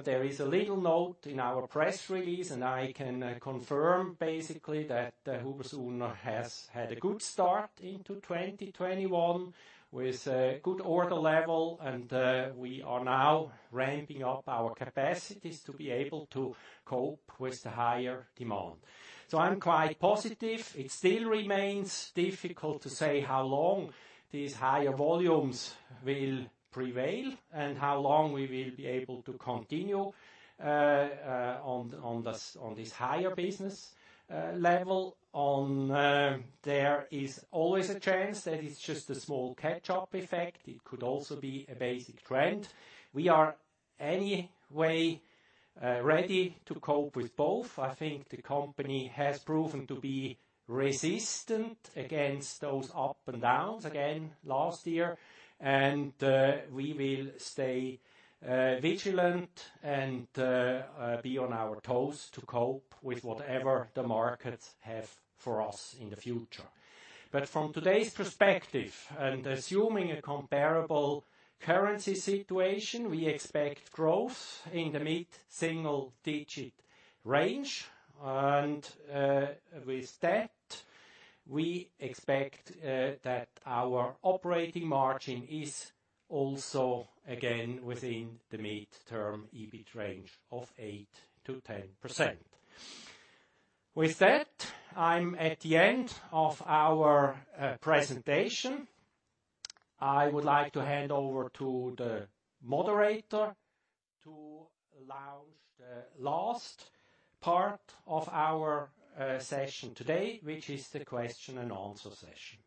There is a little note in our press release, and I can confirm basically that Huber+Suhner has had a good start into 2021, with a good order level, and we are now ramping up our capacities to be able to cope with the higher demand. I'm quite positive. It still remains difficult to say how long these higher volumes will prevail and how long we will be able to continue on this higher business level. There is always a chance that it's just a small catch-up effect. It could also be a basic trend. We are anyway ready to cope with both. I think the company has proven to be resistant against those ups and downs again last year. We will stay vigilant and be on our toes to cope with whatever the markets have for us in the future. From today's perspective, and assuming a comparable currency situation, we expect growth in the mid-single digit range. With that, we expect that our operating margin is also again within the mid-term EBIT range of 8%-10%. With that, I'm at the end of our presentation. I would like to hand over to the moderator to launch the last part of our session today, which is the question and answer session.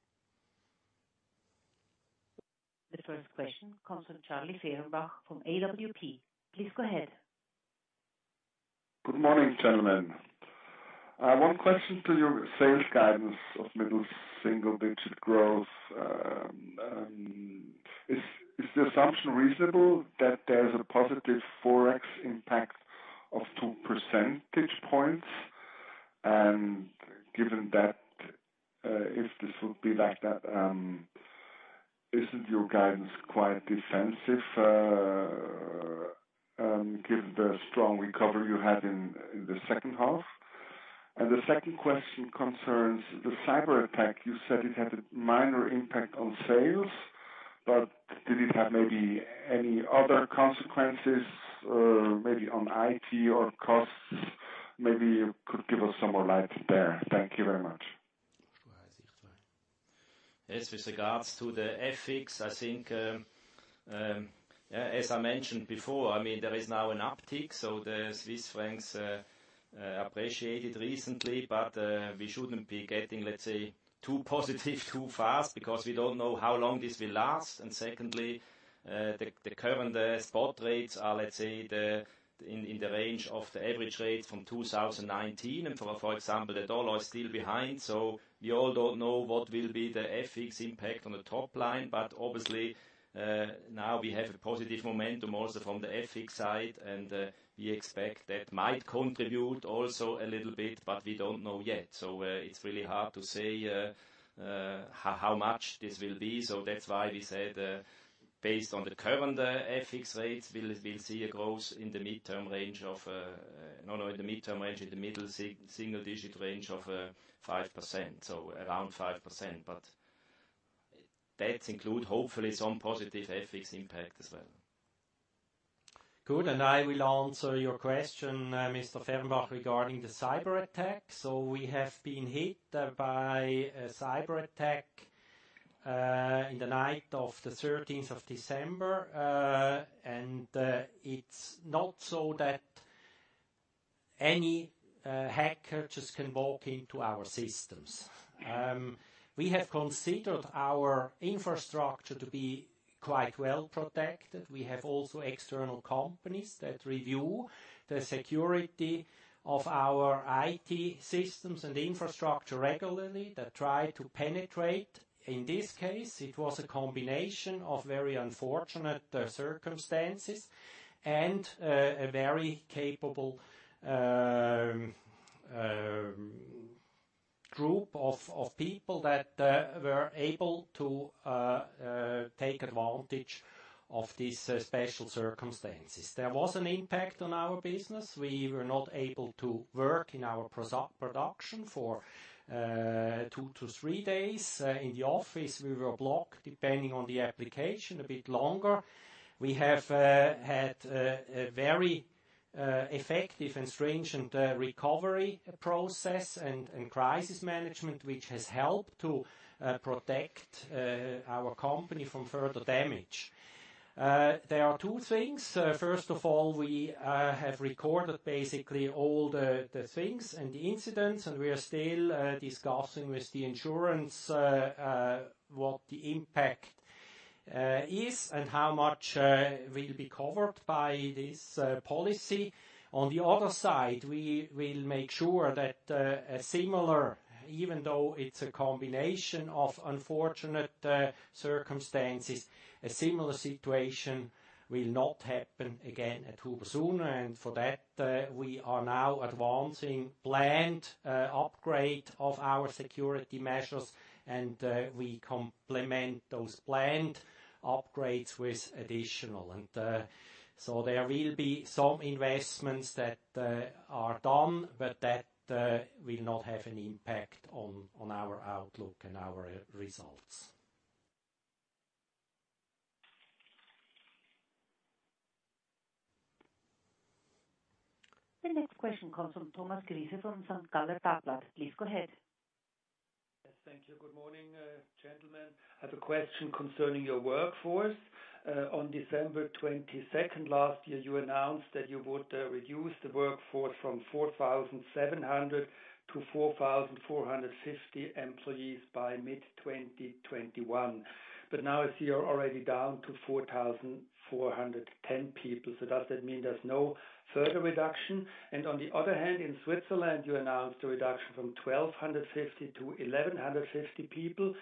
The first question comes from Charlie Fehrenbacher from AWP. Please go ahead. Good morning, gentlemen. One question to your sales guidance of middle single-digit growth. Is the assumption reasonable that there's a positive Forex impact of two percentage points? Given that, if this would be like that, isn't your guidance quite defensive, given the strong recovery you had in the second half? The second question concerns the cyberattack. You said it had a minor impact on sales, but did it have maybe any other consequences, maybe on IT or costs? Maybe you could give us some more light there. Thank you very much. Yes, with regards to the FX, I think, as I mentioned before, there is now an uptick. The Swiss francs appreciated recently, but we shouldn't be getting, let's say, too positive too fast, because we don't know how long this will last. Secondly, the current spot rates are, let's say, in the range of the average rate from 2019. For example, the dollar is still behind, so we all don't know what will be the FX impact on the top line. Obviously, now we have a positive momentum also from the FX side, and we expect that might contribute also a little bit, but we don't know yet. It's really hard to say how much this will be. That's why we said based on the current FX rates, we'll see a growth in the mid-term range of the middle single-digit range of 5%, so around 5%. That include hopefully some positive FX impact as well. Good. I will answer your question, Mr. Fehrenbacher, regarding the cyberattack. We have been hit by a cyberattack. In the night of the 13th of December, and it's not so that any hacker just can walk into our systems. We have considered our infrastructure to be quite well protected. We have also external companies that review the security of our IT systems and the infrastructure regularly, that try to penetrate. In this case, it was a combination of very unfortunate circumstances and a very capable group of people that were able to take advantage of these special circumstances. There was an impact on our business. We were not able to work in our production for two to three days. In the office, we were blocked, depending on the application, a bit longer. We have had a very effective and stringent recovery process and crisis management, which has helped to protect our company from further damage. There are two things. First of all, we have recorded basically all the things and the incidents, and we are still discussing with the insurance what the impact is and how much will be covered by this policy. On the other side, we will make sure that a similar, even though it's a combination of unfortunate circumstances, a similar situation will not happen again at Huber+Suhner. For that, we are now advancing planned upgrade of our security measures, and we complement those planned upgrades with additional. So there will be some investments that are done, but that will not have an impact on our outlook and our results. The next question comes from Thomas Griesser Kym from St. Galler Tagblatt. Please go ahead. Thank you. Good morning, gentlemen. I have a question concerning your workforce. On December 22nd last year, you announced that you would reduce the workforce from 4,700 to 4,450 employees by mid-2021. Now I see you're already down to 4,410 people. Does that mean there's no further reduction? On the other hand, in Switzerland, you announced a reduction from 1,250-1,150 people.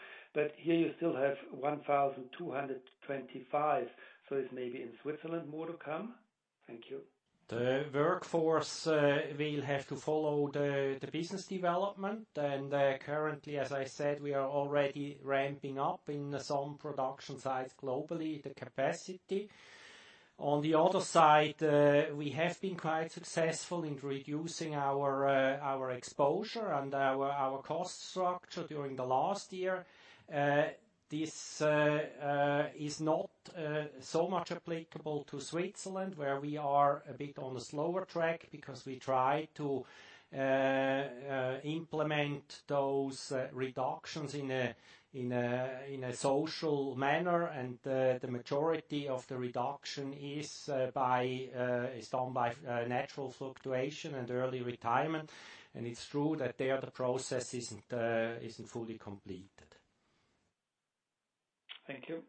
Here you still have 1,225, is maybe in Switzerland more to come? Thank you. The workforce will have to follow the business development. Currently, as I said, we are already ramping up in some production sites globally, the capacity. On the other side, we have been quite successful in reducing our exposure and our cost structure during the last year. This is not so much applicable to Switzerland, where we are a bit on a slower track because we try to implement those reductions in a social manner. The majority of the reduction is done by natural fluctuation and early retirement. It's true that there, the process isn't fully completed. Thank you.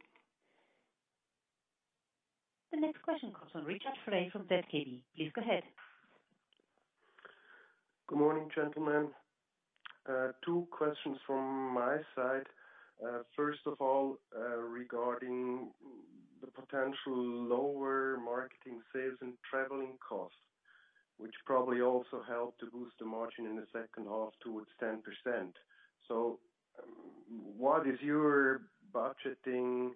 The next question comes from Richard Frei from ZKB. Please go ahead. Good morning, gentlemen. Two questions from my side. First of all, regarding the potential lower marketing, sales, and traveling costs, which probably also helped to boost the margin in the second half towards 10%. What is your budgeting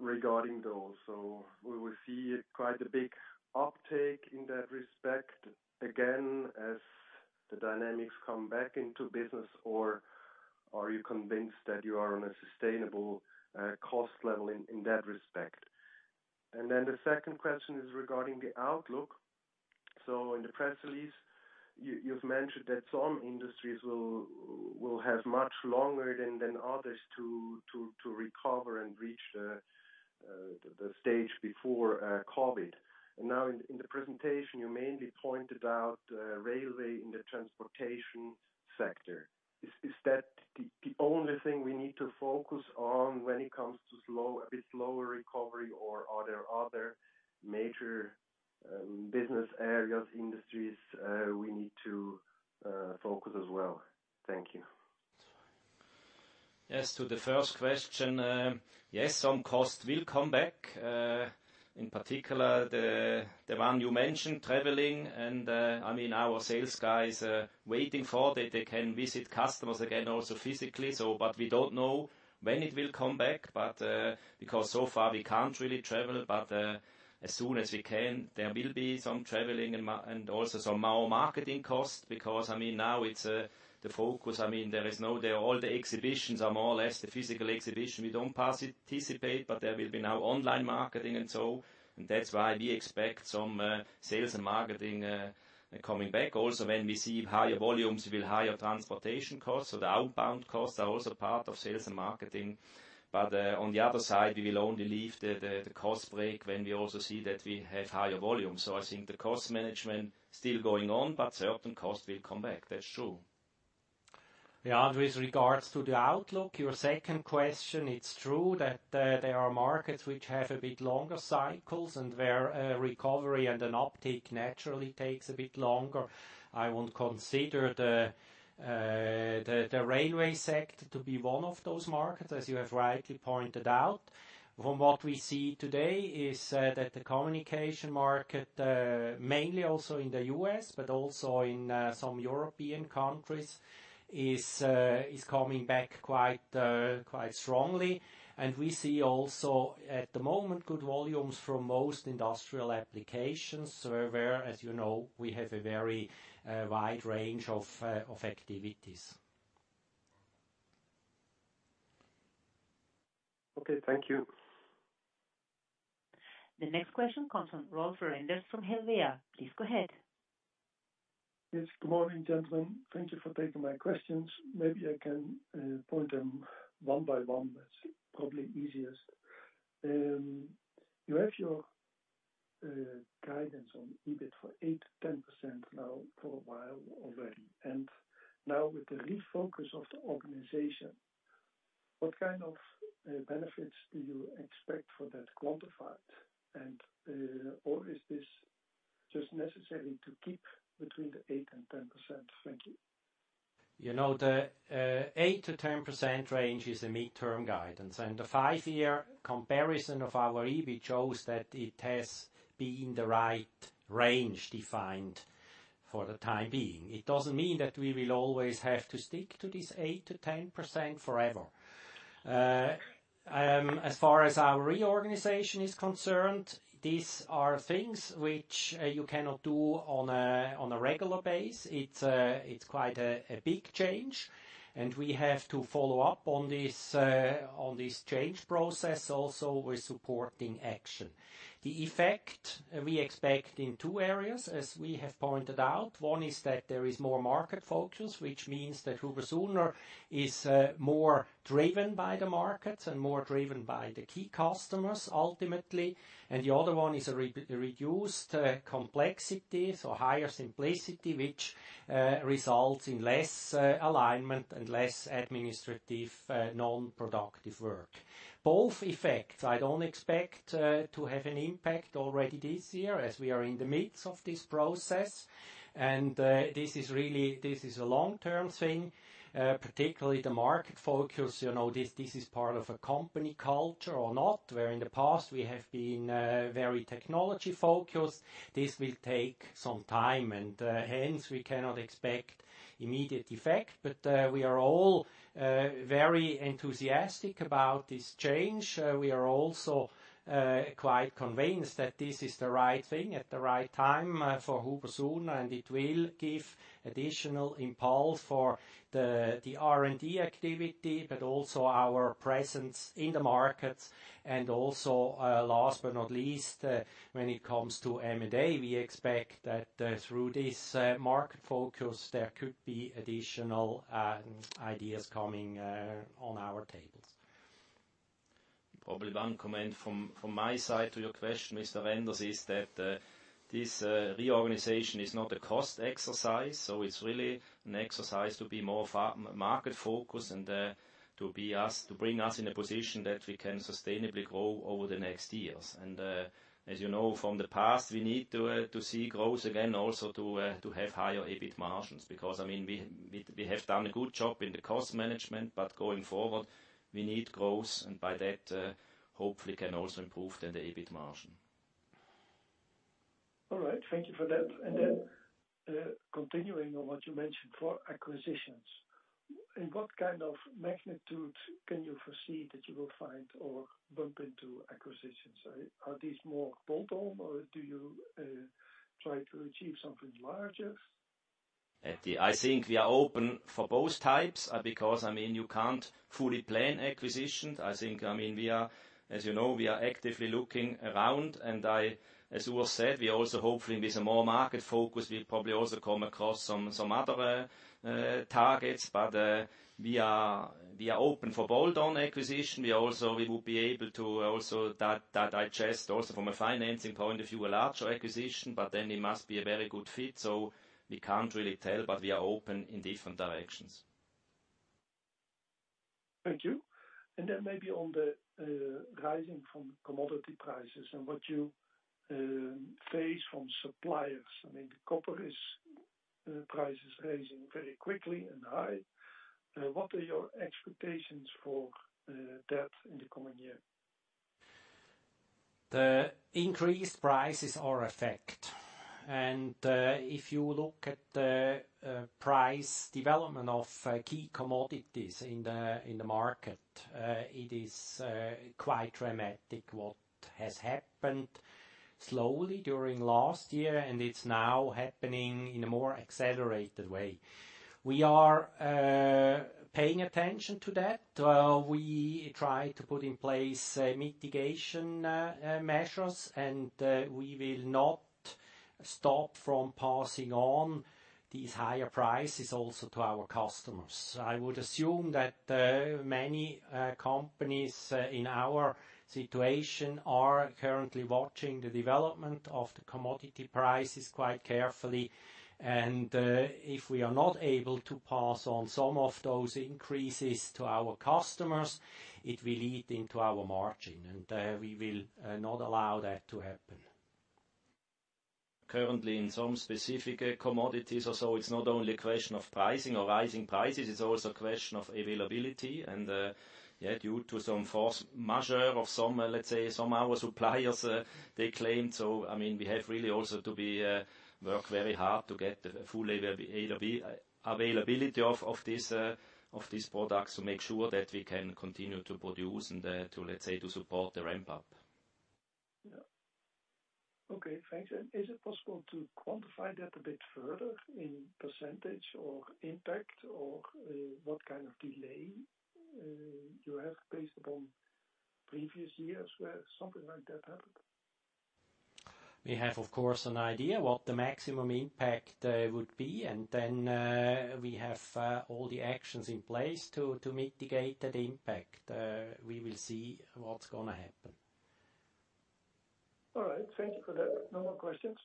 regarding those? Will we see quite a big uptake in that respect again, as the dynamics come back into business? Are you convinced that you are on a sustainable cost level in that respect? The second question is regarding the outlook. In the press release, you've mentioned that some industries will have much longer than others to recover and reach the stage before COVID. In the presentation, you mainly pointed out railway in the transportation sector. Is that the only thing we need to focus on when it comes to a bit slower recovery, or are there other major business areas, industries we need to focus as well? Thank you. As to the first question, yes, some costs will come back. In particular, the one you mentioned, traveling, and our sales guys are waiting for that they can visit customers again also physically. We don't know when it will come back, because so far we can't really travel. As soon as we can, there will be some traveling and also some more marketing costs, because now the focus, all the exhibitions are more or less the physical exhibition. We don't participate, but there will be now online marketing and so on. That's why we expect some sales and marketing coming back. Also when we see higher volumes, higher transportation costs. The outbound costs are also part of sales and marketing. On the other side, we will only leave the cost break when we also see that we have higher volumes. I think the cost management still going on, but certain costs will come back. That's true. With regards to the outlook, your second question, it's true that there are markets which have a bit longer cycles, and where recovery and an uptick naturally takes a bit longer. I would consider the railway sector to be one of those markets, as you have rightly pointed out. From what we see today is that the communication market, mainly also in the U.S., but also in some European countries, is coming back quite strongly. We see also at the moment, good volumes from most industrial applications. Where, as you know, we have a very wide range of activities. Okay, thank you. The next question comes from Rolf Renders from Helvea. Please go ahead. Yes, good morning, gentlemen. Thank you for taking my questions. Maybe I can point them one by one. That's probably easiest. You have your guidance on EBIT for 8%-10% now for a while already. Now with the refocus of the organization, what kind of benefits do you expect for that quantified? Is this just necessary to keep between the 8% and 10%? Thank you. The 8%-10% range is a midterm guidance, and the five-year comparison of our EBIT shows that it has been the right range defined for the time being. It doesn't mean that we will always have to stick to this 8%-10% forever. As far as our reorganization is concerned, these are things which you cannot do on a regular basis. It's quite a big change, and we have to follow up on this change process also with supporting action. The effect we expect in two areas, as we have pointed out. One is that there is more market focus, which means that Huber+Suhner is more driven by the markets and more driven by the key customers ultimately. The other one is a reduced complexity, so higher simplicity, which results in less alignment and less administrative non-productive work. Both effects, I don't expect to have an impact already this year as we are in the midst of this process, and this is a long-term thing, particularly the market focus. This is part of a company culture or not, where in the past we have been very technology-focused. This will take some time, and hence we cannot expect immediate effect. We are all very enthusiastic about this change. We are also quite convinced that this is the right thing at the right time for Huber+Suhner, and it will give additional impulse for the R&D activity, but also our presence in the markets. Last but not least, when it comes to M&A, we expect that through this market focus, there could be additional ideas coming on our tables. Probably one comment from my side to your question, Mr. Inauen, is that this reorganization is not a cost exercise. It's really an exercise to be more market-focused and to bring us in a position that we can sustainably grow over the next years. As you know from the past, we need to see growth again also to have higher EBIT margins. We have done a good job in the cost management, but going forward, we need growth, and by that, hopefully can also improve then the EBIT margin. All right. Thank you for that. Continuing on what you mentioned for acquisitions. In what kind of magnitude can you foresee that you will find or bump into acquisitions? Are these more bolt-on, or do you try to achieve something larger? I think we are open for both types, because you can't fully plan acquisitions. As you know, we are actively looking around, and as Urs said, we also hopefully with a more market focus, we probably also come across some other targets. We are open for bolt-on acquisition. We would be able to also digest, also from a financing point of view, a larger acquisition, but then it must be a very good fit. We can't really tell, but we are open in different directions. Thank you. Maybe on the rising from commodity prices and what you face from suppliers. The copper price is rising very quickly and high. What are your expectations for that in the coming year? If you look at the price development of key commodities in the market, it is quite dramatic what has happened slowly during last year, and it's now happening in a more accelerated way. We are paying attention to that. We try to put in place mitigation measures, and we will not stop from passing on these higher prices also to our customers. I would assume that many companies in our situation are currently watching the development of the commodity prices quite carefully, and if we are not able to pass on some of those increases to our customers, it will eat into our margin, and we will not allow that to happen. Currently in some specific commodities, it's not only a question of pricing or rising prices, it's also a question of availability. Due to some force majeure of some of our suppliers, they claim. We have really also to work very hard to get the full availability of these products to make sure that we can continue to produce and to support the ramp up. Yeah. Okay, thanks. Is it possible to quantify that a bit further in percentage or impact? What kind of delay you have based upon previous years where something like that happened? We have, of course, an idea what the maximum impact would be, and then we have all the actions in place to mitigate that impact. We will see what's going to happen. All right. Thank you for that. No more questions.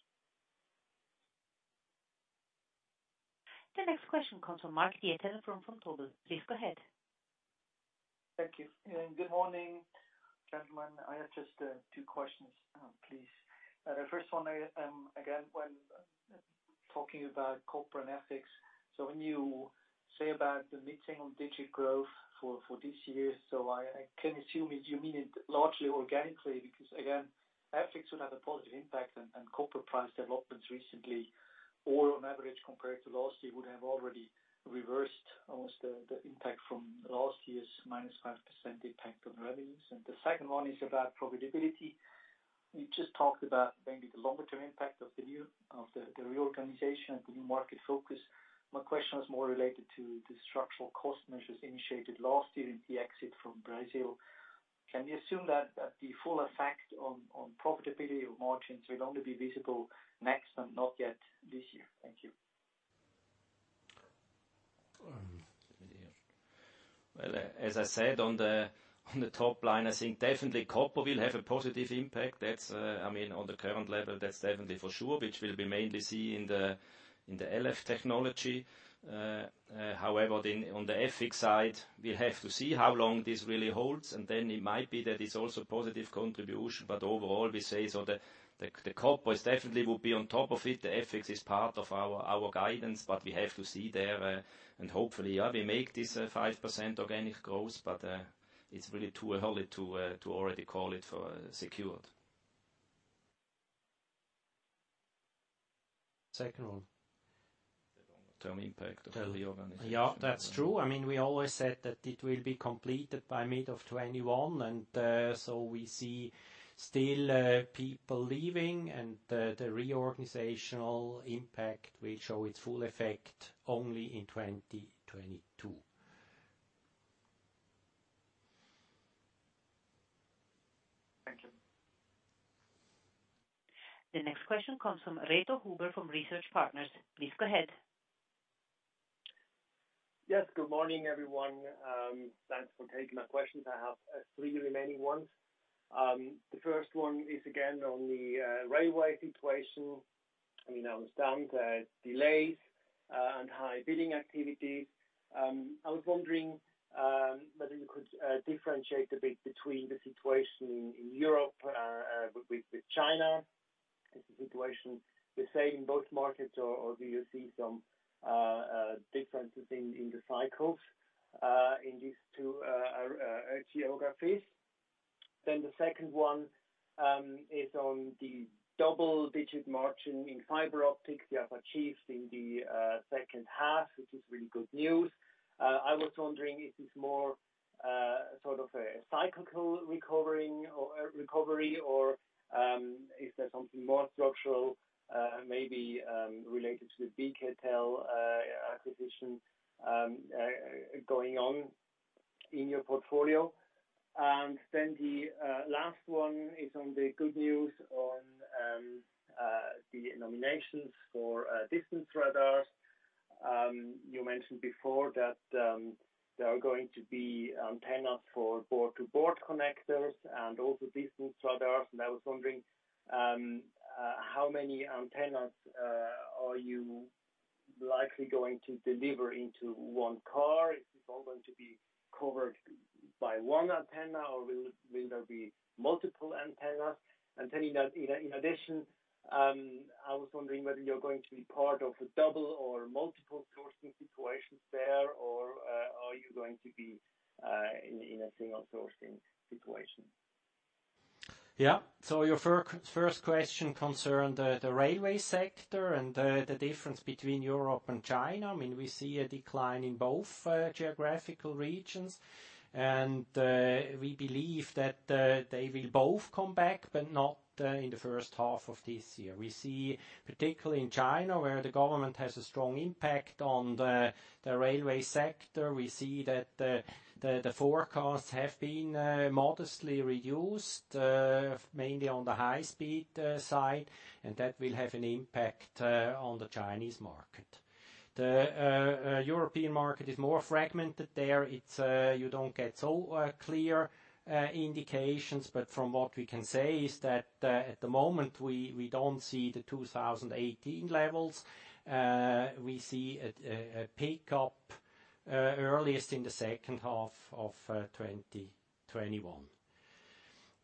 The next question comes from Mark Diethelm from Vontobel. Please go ahead. Thank you. Good morning, gentlemen. I have just two questions, please. The first one, again, when talking about copper and FX. When you say about the mid-single digit growth for this year, I can assume you mean it largely organically, because again, FX would have a positive impact on copper price developments recently, or on average compared to last year, would have already reversed almost the impact from last year's -5% impact on revenues. The second one is about profitability. You just talked about mainly the longer-term impact of the reorganization and the new market focus. My question was more related to the structural cost measures initiated last year in the exit from Brazil. Can we assume that the full effect on profitability of margins will only be visible next and not yet this year? Thank you. Well, as I said on the top line, I think definitely copper will have a positive impact. On the current level, that's definitely for sure, which we'll be mainly see in the LF technology. On the FX side, we'll have to see how long this really holds, and then it might be that it's also a positive contribution. Overall, we say so that the copper definitely will be on top of it. The FX is part of our guidance, but we have to see there and hopefully we make this 5% organic growth, but it's really too early to already call it secured. Second one. The longer-term impact of the reorganization. Yeah, that's true. We always said that it will be completed by mid-2021. We see still people leaving, and the reorganizational impact will show its full effect only in 2022. Thank you. The next question comes from Reto Huber from Research Partners. Please go ahead. Good morning, everyone. Thanks for taking my questions. I have three remaining ones. The first one is again on the railway situation. I understand the delays and high billing activities. I was wondering whether you could differentiate a bit between the situation in Europe with China. Is the situation the same in both markets, or do you see some differences in the cycles in these two geographies? The second one is on the double-digit margin in Fiber Optics you have achieved in the second half, which is really good news. I was wondering, is this more sort of a cyclical recovery or is there something more structural, maybe related to the BKtel acquisition going on in your portfolio? The last one is on the good news on the nominations for distance radars. You mentioned before that there are going to be antennas for board-to-board connectors and also distance radars. I was wondering how many antennas are you likely going to deliver into one car? Is this all going to be covered by one antenna, or will there be multiple antennas? In addition, I was wondering whether you're going to be part of a double or multiple sourcing situations there, or are you going to be in a single sourcing situation? Yeah. Your first question concerned the railway sector and the difference between Europe and China. We see a decline in both geographical regions, and we believe that they will both come back, but not in the first half of this year. We see, particularly in China, where the government has a strong impact on the railway sector, we see that the forecasts have been modestly reduced, mainly on the high-speed side, and that will have an impact on the Chinese market. The European market is more fragmented there. You don't get so clear indications, but from what we can say is that at the moment, we don't see the 2018 levels. We see a pickup earliest in the second half of 2021.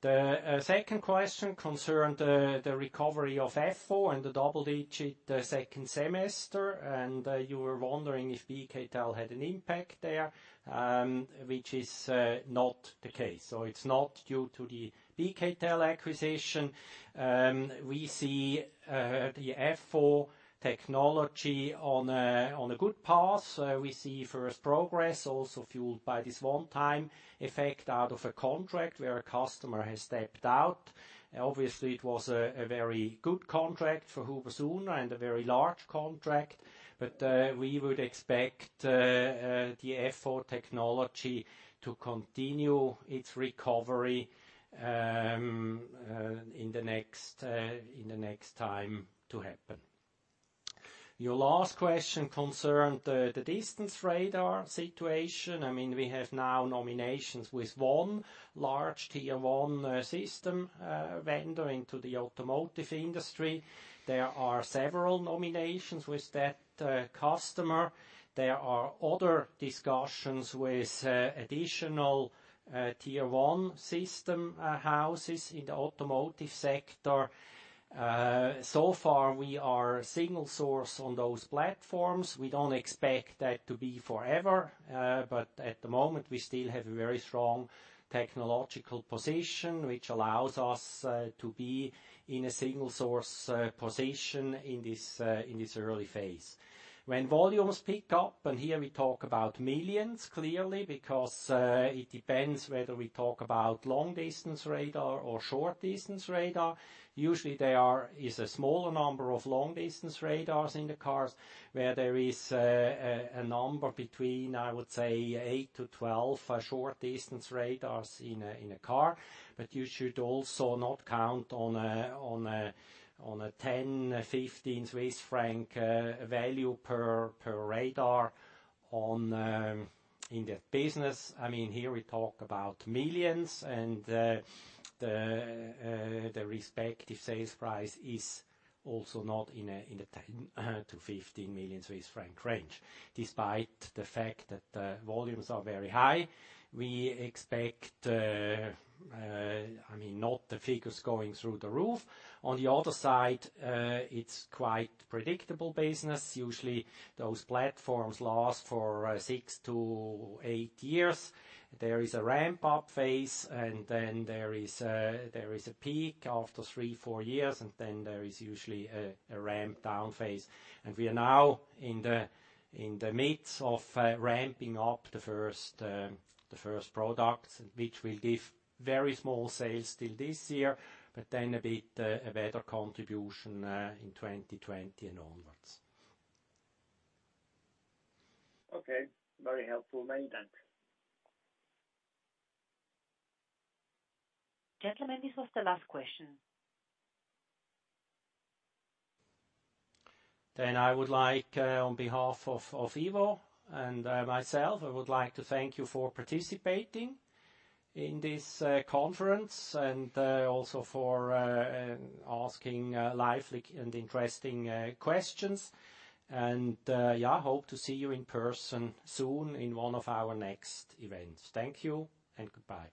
The second question concerned the recovery of 4G and the double-digit second semester. You were wondering if BKtel had an impact there, which is not the case. It's not due to the BKtel acquisition. We see the 4G technology on a good path. We see first progress also fueled by this one-time effect out of a contract where a customer has stepped out. Obviously, it was a very good contract for Huber+Suhner and a very large contract. We would expect the 4G technology to continue its recovery in the next time to happen. Your last question concerned the distance radar situation. We have now nominations with one large Tier 1 system vendor into the automotive industry. There are several nominations with that customer. There are other discussions with additional Tier 1 system houses in the automotive sector. So far, we are single source on those platforms. We don't expect that to be forever. At the moment, we still have a very strong technological position, which allows us to be in a single source position in this early phase. When volumes pick up, and here we talk about millions, clearly, because it depends whether we talk about long-distance radar or short-distance radar. Usually, there is a smaller number of long-distance radars in the cars, where there is a number between, I would say, 8 to 12 short-distance radars in a car. You should also not count on a 10, 15 Swiss franc value per radar in that business. Here we talk about millions, and the respective sales price is also not in the 10 million-15 million Swiss franc range. Despite the fact that the volumes are very high, we expect not the figures going through the roof. On the other side, it's quite predictable business. Usually, those platforms last for six-eight years. There is a ramp-up phase, and then there is a peak after three-four years, and then there is usually a ramp-down phase. We are now in the midst of ramping up the first products, which will give very small sales till this year, but then a bit better contribution in 2020 and onwards. Okay. Very helpful. Many thanks. Gentlemen, this was the last question. I would like, on behalf of Ivo and myself, I would like to thank you for participating in this conference and also for asking lively and interesting questions. yeah, hope to see you in person soon in one of our next events. Thank you, and goodbye.